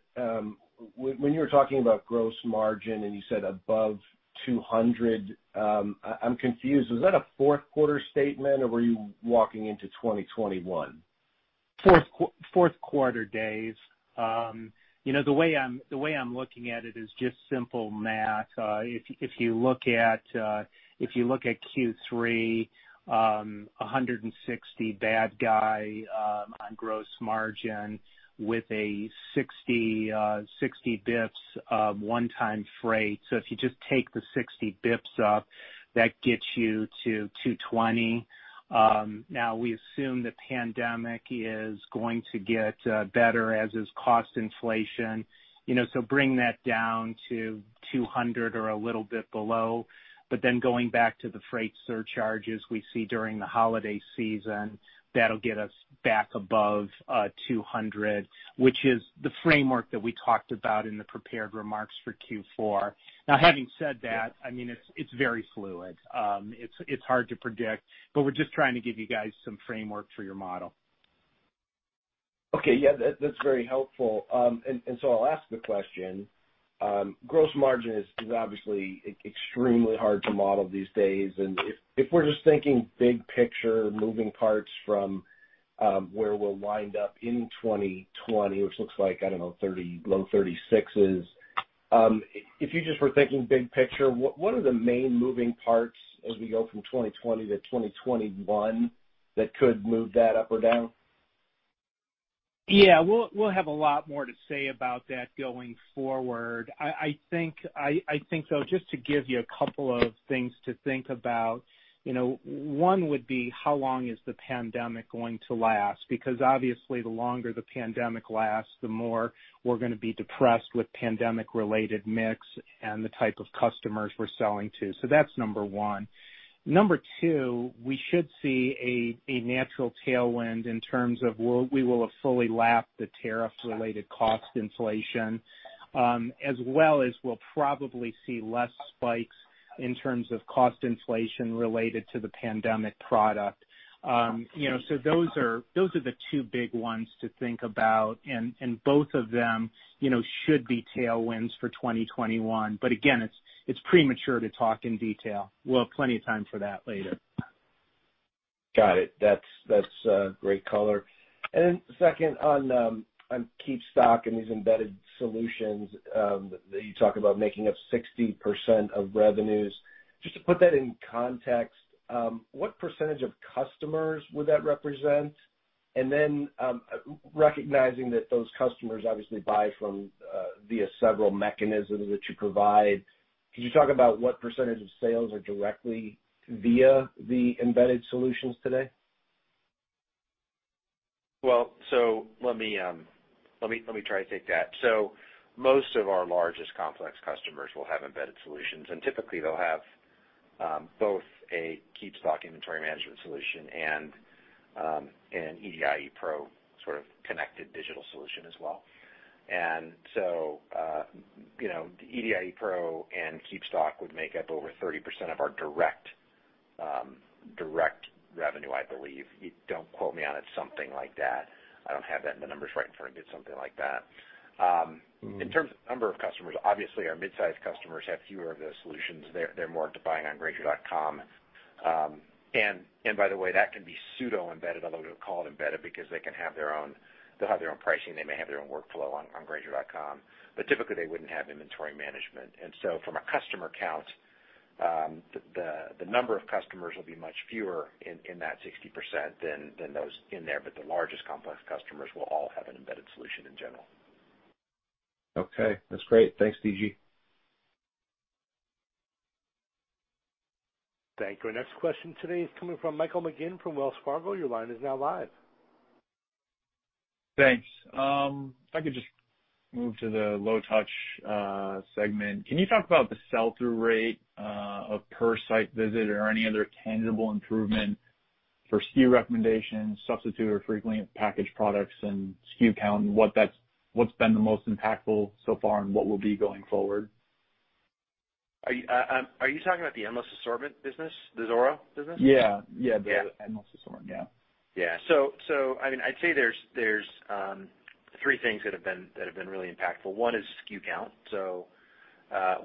when you were talking about gross margin and you said above 200, I'm confused. Was that a fourth quarter statement or were you walking into 2021? Fourth quarter days. The way I'm looking at it is just simple math. If you look at Q3, 160 basis points on gross margin with a 60 basis points one-time freight. If you just take the 60 basis points up, that gets you to 220. We assume the pandemic is going to get better, as is cost inflation. Bring that down to 200 or a little bit below. Going back to the freight surcharges we see during the holiday season, that'll get us back above 200, which is the framework that we talked about in the prepared remarks for Q4. Having said that, it's very fluid. It's hard to predict, but we're just trying to give you guys some framework for your model. Okay. Yeah, that's very helpful. I'll ask the question. Gross margin is obviously extremely hard to model these days, and if we're just thinking big picture, moving parts from where we'll wind up in 2020, which looks like, I don't know, low 36s. If you just were thinking big picture, what are the main moving parts as we go from 2020-2021 that could move that up or down? We'll have a lot more to say about that going forward. I think, though, just to give you a couple of things to think about. One would be how long is the pandemic going to last? Obviously the longer the pandemic lasts, the more we're going to be depressed with pandemic related mix and the type of customers we're selling to. That's number one. Number two, we should see a natural tailwind in terms of we will have fully lapped the tariff related cost inflation, as well as we'll probably see less spikes in terms of cost inflation related to the pandemic product. Those are the two big ones to think about, and both of them should be tailwinds for 2021. Again, it's premature to talk in detail. We'll have plenty of time for that later. Got it. That's great color. Second on KeepStock and these embedded solutions that you talk about making up 60% of revenues. Just to put that in context, what percentage of customers would that represent? Recognizing that those customers obviously buy from via several mechanisms that you provide, could you talk about what percentage of sales are directly via the embedded solutions today? Let me try to take that. Most of our largest complex customers will have embedded solutions, and typically they'll have both a KeepStock inventory management solution and an EDI Pro sort of connected digital solution as well. EDI Pro and KeepStock would make up over 30% of our direct revenue, I believe. Don't quote me on it. Something like that. I don't have the numbers right in front of me. It's something like that. In terms of number of customers, obviously our mid-size customers have fewer of those solutions. They're more to buying on grainger.com. By the way, that can be pseudo embedded, although they'll call it embedded because they'll have their own pricing, they may have their own workflow on grainger.com. Typically, they wouldn't have inventory management. From a customer count, the number of customers will be much fewer in that 60% than those in there. The largest complex customers will all have an embedded solution in general. Okay. That's great. Thanks, D.G. Thank you. Our next question today is coming from Michael McGinn from Wells Fargo. Your line is now live. Thanks. If I could just move to the low touch segment. Can you talk about the sell-through rate of per site visit or any other tangible improvement for SKU recommendations, substitute or frequently packaged products and SKU count, and what's been the most impactful so far, and what will be going forward? Are you talking about the Endless Assortment business, the Zoro business? Yeah. The Endless Assortment. Yeah. I'd say there's three things that have been really impactful. One is SKU count.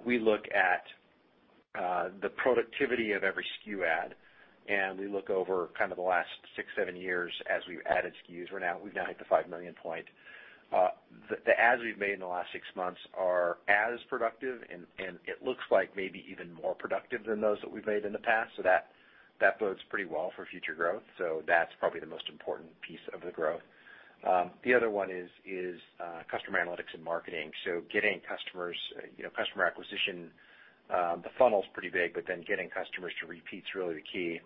We look at the productivity of every SKU ad, and we look over kind of the last six, seven years as we've added SKUs. We've now hit the 5 million point. The ads we've made in the last six months are as productive and it looks like maybe even more productive than those that we've made in the past. That bodes pretty well for future growth. That's probably the most important piece of the growth. The other one is customer analytics and marketing. Getting customers, customer acquisition, the funnel's pretty big, getting customers to repeat is really the key.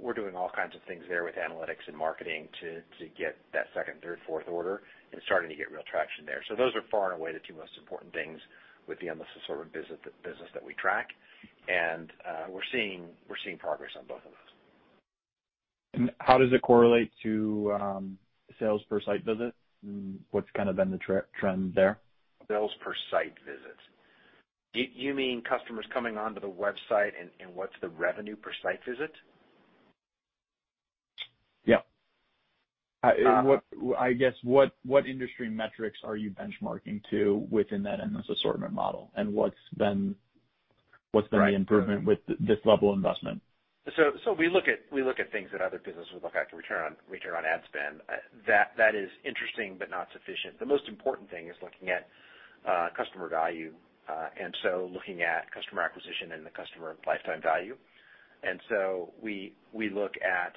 We're doing all kinds of things there with analytics and marketing to get that second, third, fourth order and starting to get real traction there. Those are far and away the two most important things with the Endless Assortment business that we track. We're seeing progress on both of those. How does it correlate to sales per site visit and what's kind of been the trend there? Sales per site visits. You mean customers coming onto the website and what's the revenue per site visit? I guess what industry metrics are you benchmarking to within that Endless Assortment model? What's been the improvement with this level of investment? We look at things that other businesses would look at to return on ad spend. That is interesting but not sufficient. The most important thing is looking at customer value, looking at customer acquisition and the customer lifetime value. We look at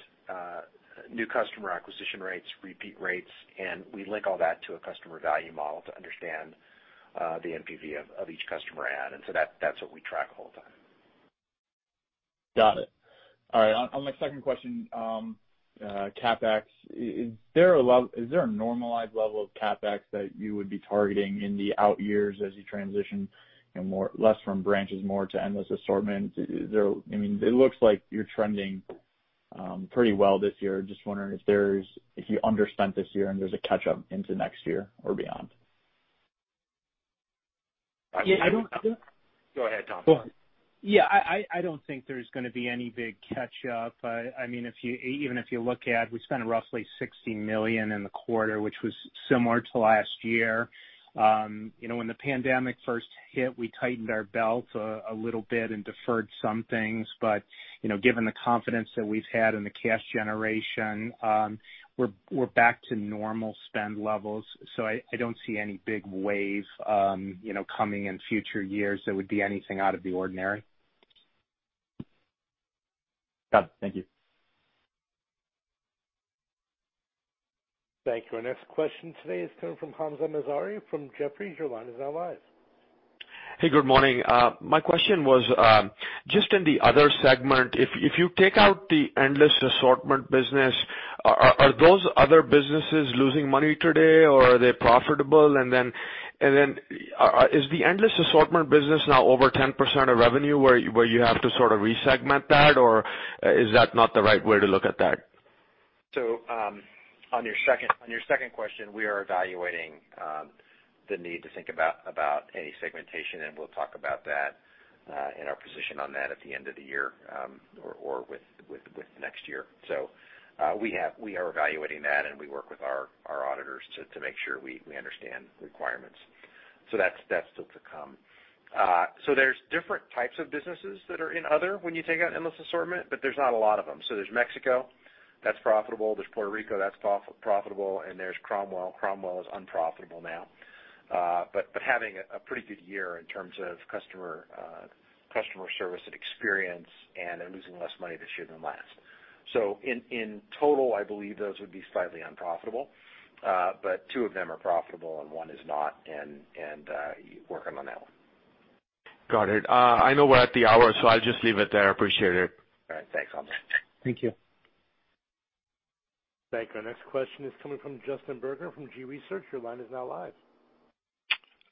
new customer acquisition rates, repeat rates, and we link all that to a customer value model to understand the NPV of each customer ad. That's what we track all the time. Got it. All right. On my second question, CapEx. Is there a normalized level of CapEx that you would be targeting in the out years as you transition less from branches, more to Endless Assortment? It looks like you're trending pretty well this year. Just wondering if you underspent this year and there's a catch-up into next year or beyond. Yeah. Go ahead, Tom. Yeah, I don't think there's going to be any big catch-up. Even if you look at, we spent roughly $60 million in the quarter, which was similar to last year. When the pandemic first hit, we tightened our belts a little bit and deferred some things. Given the confidence that we've had and the cash generation, we're back to normal spend levels. I don't see any big wave coming in future years that would be anything out of the ordinary. Got it. Thank you. Thank you. Our next question today is coming from Hamzah Mazari from Jefferies. Your line is now live. Hey, good morning. My question was, just in the other segment, if you take out the Endless Assortment business, are those other businesses losing money today, or are they profitable? Is the Endless Assortment business now over 10% of revenue where you have to sort of re-segment that, or is that not the right way to look at that? On your second question, we are evaluating the need to think about any segmentation, and we'll talk about that and our position on that at the end of the year or with next year. We are evaluating that, and we work with our auditors to make sure we understand the requirements. That's still to come. There's different types of businesses that are in other when you take out Endless Assortment, but there's not a lot of them. There's Mexico, that's profitable. There's Puerto Rico, that's profitable. There's Cromwell. Cromwell is unprofitable now. Having a pretty good year in terms of customer service and experience, and they're losing less money this year than last. In total, I believe those would be slightly unprofitable. Two of them are profitable and one is not, and working on that one. Got it. I know we're at the hour, so I'll just leave it there. Appreciate it. All right. Thanks, Hamzah. Thank you. Thank you. Our next question is coming from Justin Bergner from Gabelli. Your line is now live.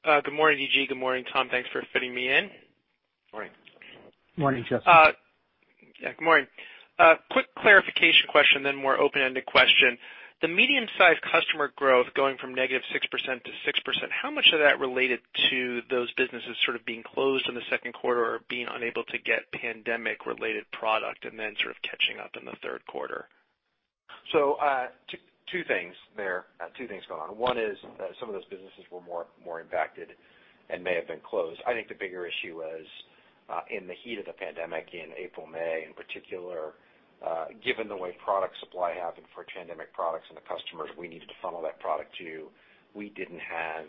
Good morning, D.G. Good morning, Tom. Thanks for fitting me in. Morning. Morning, Justin. Yeah, good morning. Quick clarification question then more open-ended question. The medium-sized customer growth going from -6% to 6%, how much of that related to those businesses sort of being closed in the second quarter or being unable to get pandemic-related product and then sort of catching up in the third quarter? Two things going on. One is that some of those businesses were more impacted and may have been closed. I think the bigger issue was, in the heat of the pandemic in April, May, in particular, given the way product supply happened for pandemic products and the customers we needed to funnel that product to, we didn't have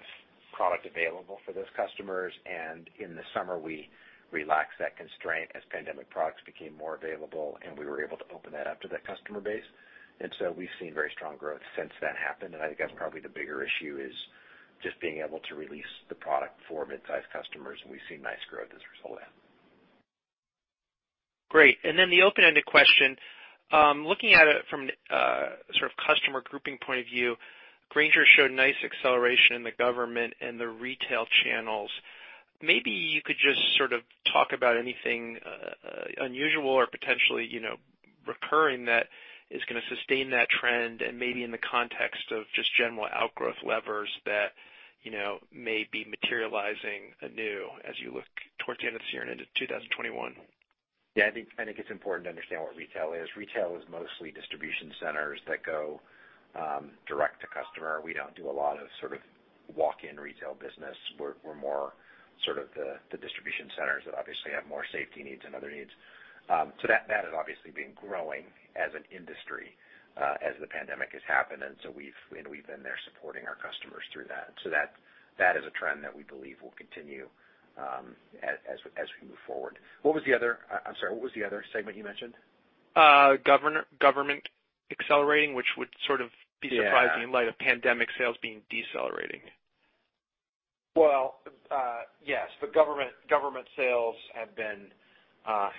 product available for those customers. In the summer, we relaxed that constraint as pandemic products became more available, and we were able to open that up to that customer base. We've seen very strong growth since that happened, and I think that's probably the bigger issue, is just being able to release the product for mid-size customers, and we've seen nice growth as a result of that. Great. The open-ended question, looking at it from sort of customer grouping point of view, Grainger showed nice acceleration in the government and the retail channels. Maybe you could just sort of talk about anything unusual or potentially recurring that is going to sustain that trend and maybe in the context of just general outgrowth levers that may be materializing anew as you look toward the end of this year and into 2021. Yeah, I think it's important to understand what retail is. Retail is mostly distribution centers that go direct to customer. We don't do a lot of sort of walk-in retail business. We're more sort of the distribution centers that obviously have more safety needs and other needs. That has obviously been growing as an industry as the pandemic has happened, and so we've been there supporting our customers through that. That is a trend that we believe will continue as we move forward. What was the other segment you mentioned? Government accelerating, which would sort of be surprising- Yeah in light of pandemic sales being decelerating. Well, yes. The government sales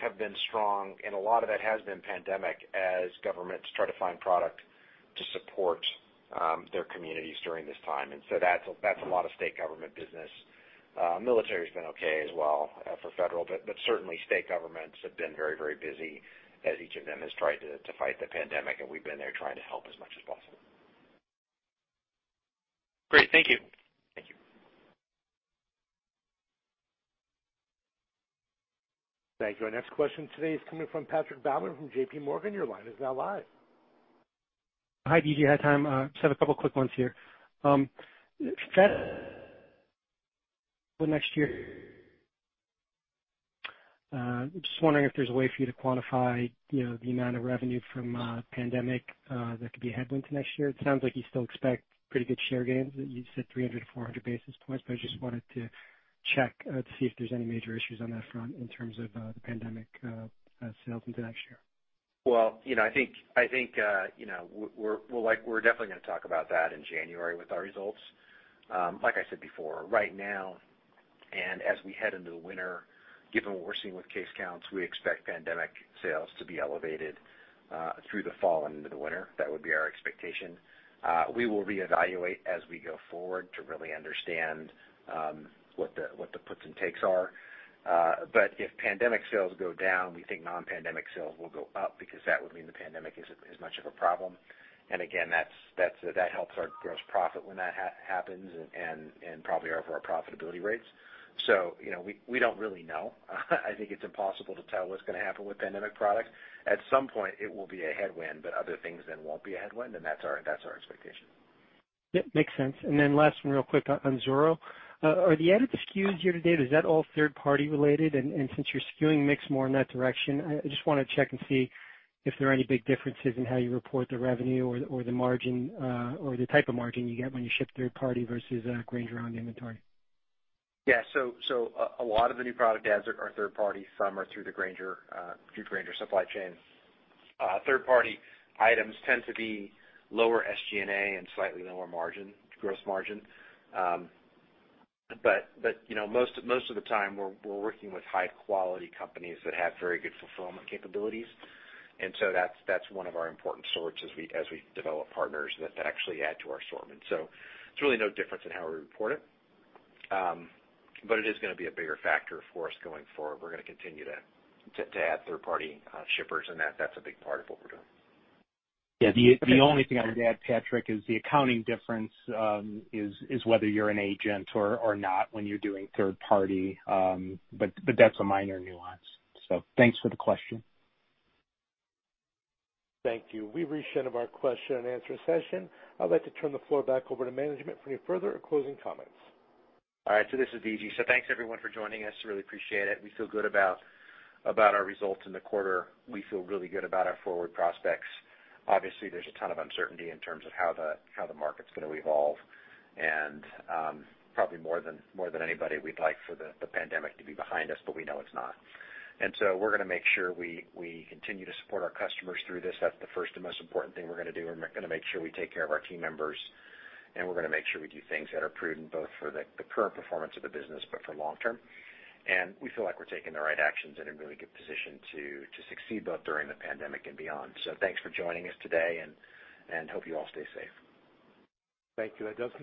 have been strong, and a lot of that has been pandemic as governments try to find product to support their communities during this time. That's a lot of state government business. Military's been okay as well for federal, but certainly state governments have been very busy as each of them has tried to fight the pandemic, and we've been there trying to help as much as possible. Great. Thank you. Thank you. Thank you. Our next question today is coming from Patrick Baumann from JPMorgan. Your line is now live. Hi, D.G., hi, Tom. Just have a couple quick ones here. For next year, I'm just wondering if there's a way for you to quantify the amount of revenue from pandemic that could be a headwind to next year. It sounds like you still expect pretty good share gains. You said 300-400 basis points, I just wanted to check to see if there's any major issues on that front in terms of the pandemic sales into next year. I think we're definitely going to talk about that in January with our results. Like I said before, right now and as we head into the winter, given what we're seeing with case counts, we expect pandemic sales to be elevated through the fall and into the winter. That would be our expectation. We will reevaluate as we go forward to really understand what the puts and takes are. If pandemic sales go down, we think non-pandemic sales will go up because that would mean the pandemic isn't as much of a problem. Again, that helps our gross profit when that happens and probably our profitability rates. We don't really know. I think it's impossible to tell what's going to happen with pandemic products. At some point, it will be a headwind, but other things then won't be a headwind, and that's our expectation. Yep, makes sense. Last one real quick on Zoro. Are the added SKUs year to date, is that all third party related? Since you're skewing mix more in that direction, I just want to check and see if there are any big differences in how you report the revenue or the margin or the type of margin you get when you ship third party versus Grainger on the inventory. A lot of the new product adds are third party. Some are through Grainger supply chain. Third-party items tend to be lower SG&A and slightly lower gross margin. Most of the time, we're working with high-quality companies that have very good fulfillment capabilities, that's one of our important sorts as we develop partners that actually add to our assortment. There's really no difference in how we report it is going to be a bigger factor for us going forward. We're going to continue to add third-party shippers, that's a big part of what we're doing. Yeah. The only thing I would add, Patrick, is the accounting difference is whether you're an agent or not when you're doing third party. That's a minor nuance. Thanks for the question. Thank you. We've reached the end of our question-and-answer session. I'd like to turn the floor back over to management for any further or closing comments. All right, this is D.G. Thanks everyone for joining us, really appreciate it. We feel good about our results in the quarter. We feel really good about our forward prospects. Obviously, there's a ton of uncertainty in terms of how the market's going to evolve, and probably more than anybody, we'd like for the pandemic to be behind us, but we know it's not. We're going to make sure we continue to support our customers through this. That's the first and most important thing we're going to do. We're going to make sure we take care of our team members, and we're going to make sure we do things that are prudent both for the current performance of the business, but for long term. We feel like we're taking the right actions in a really good position to succeed both during the pandemic and beyond. Thanks for joining us today, and hope you all stay safe. Thank you.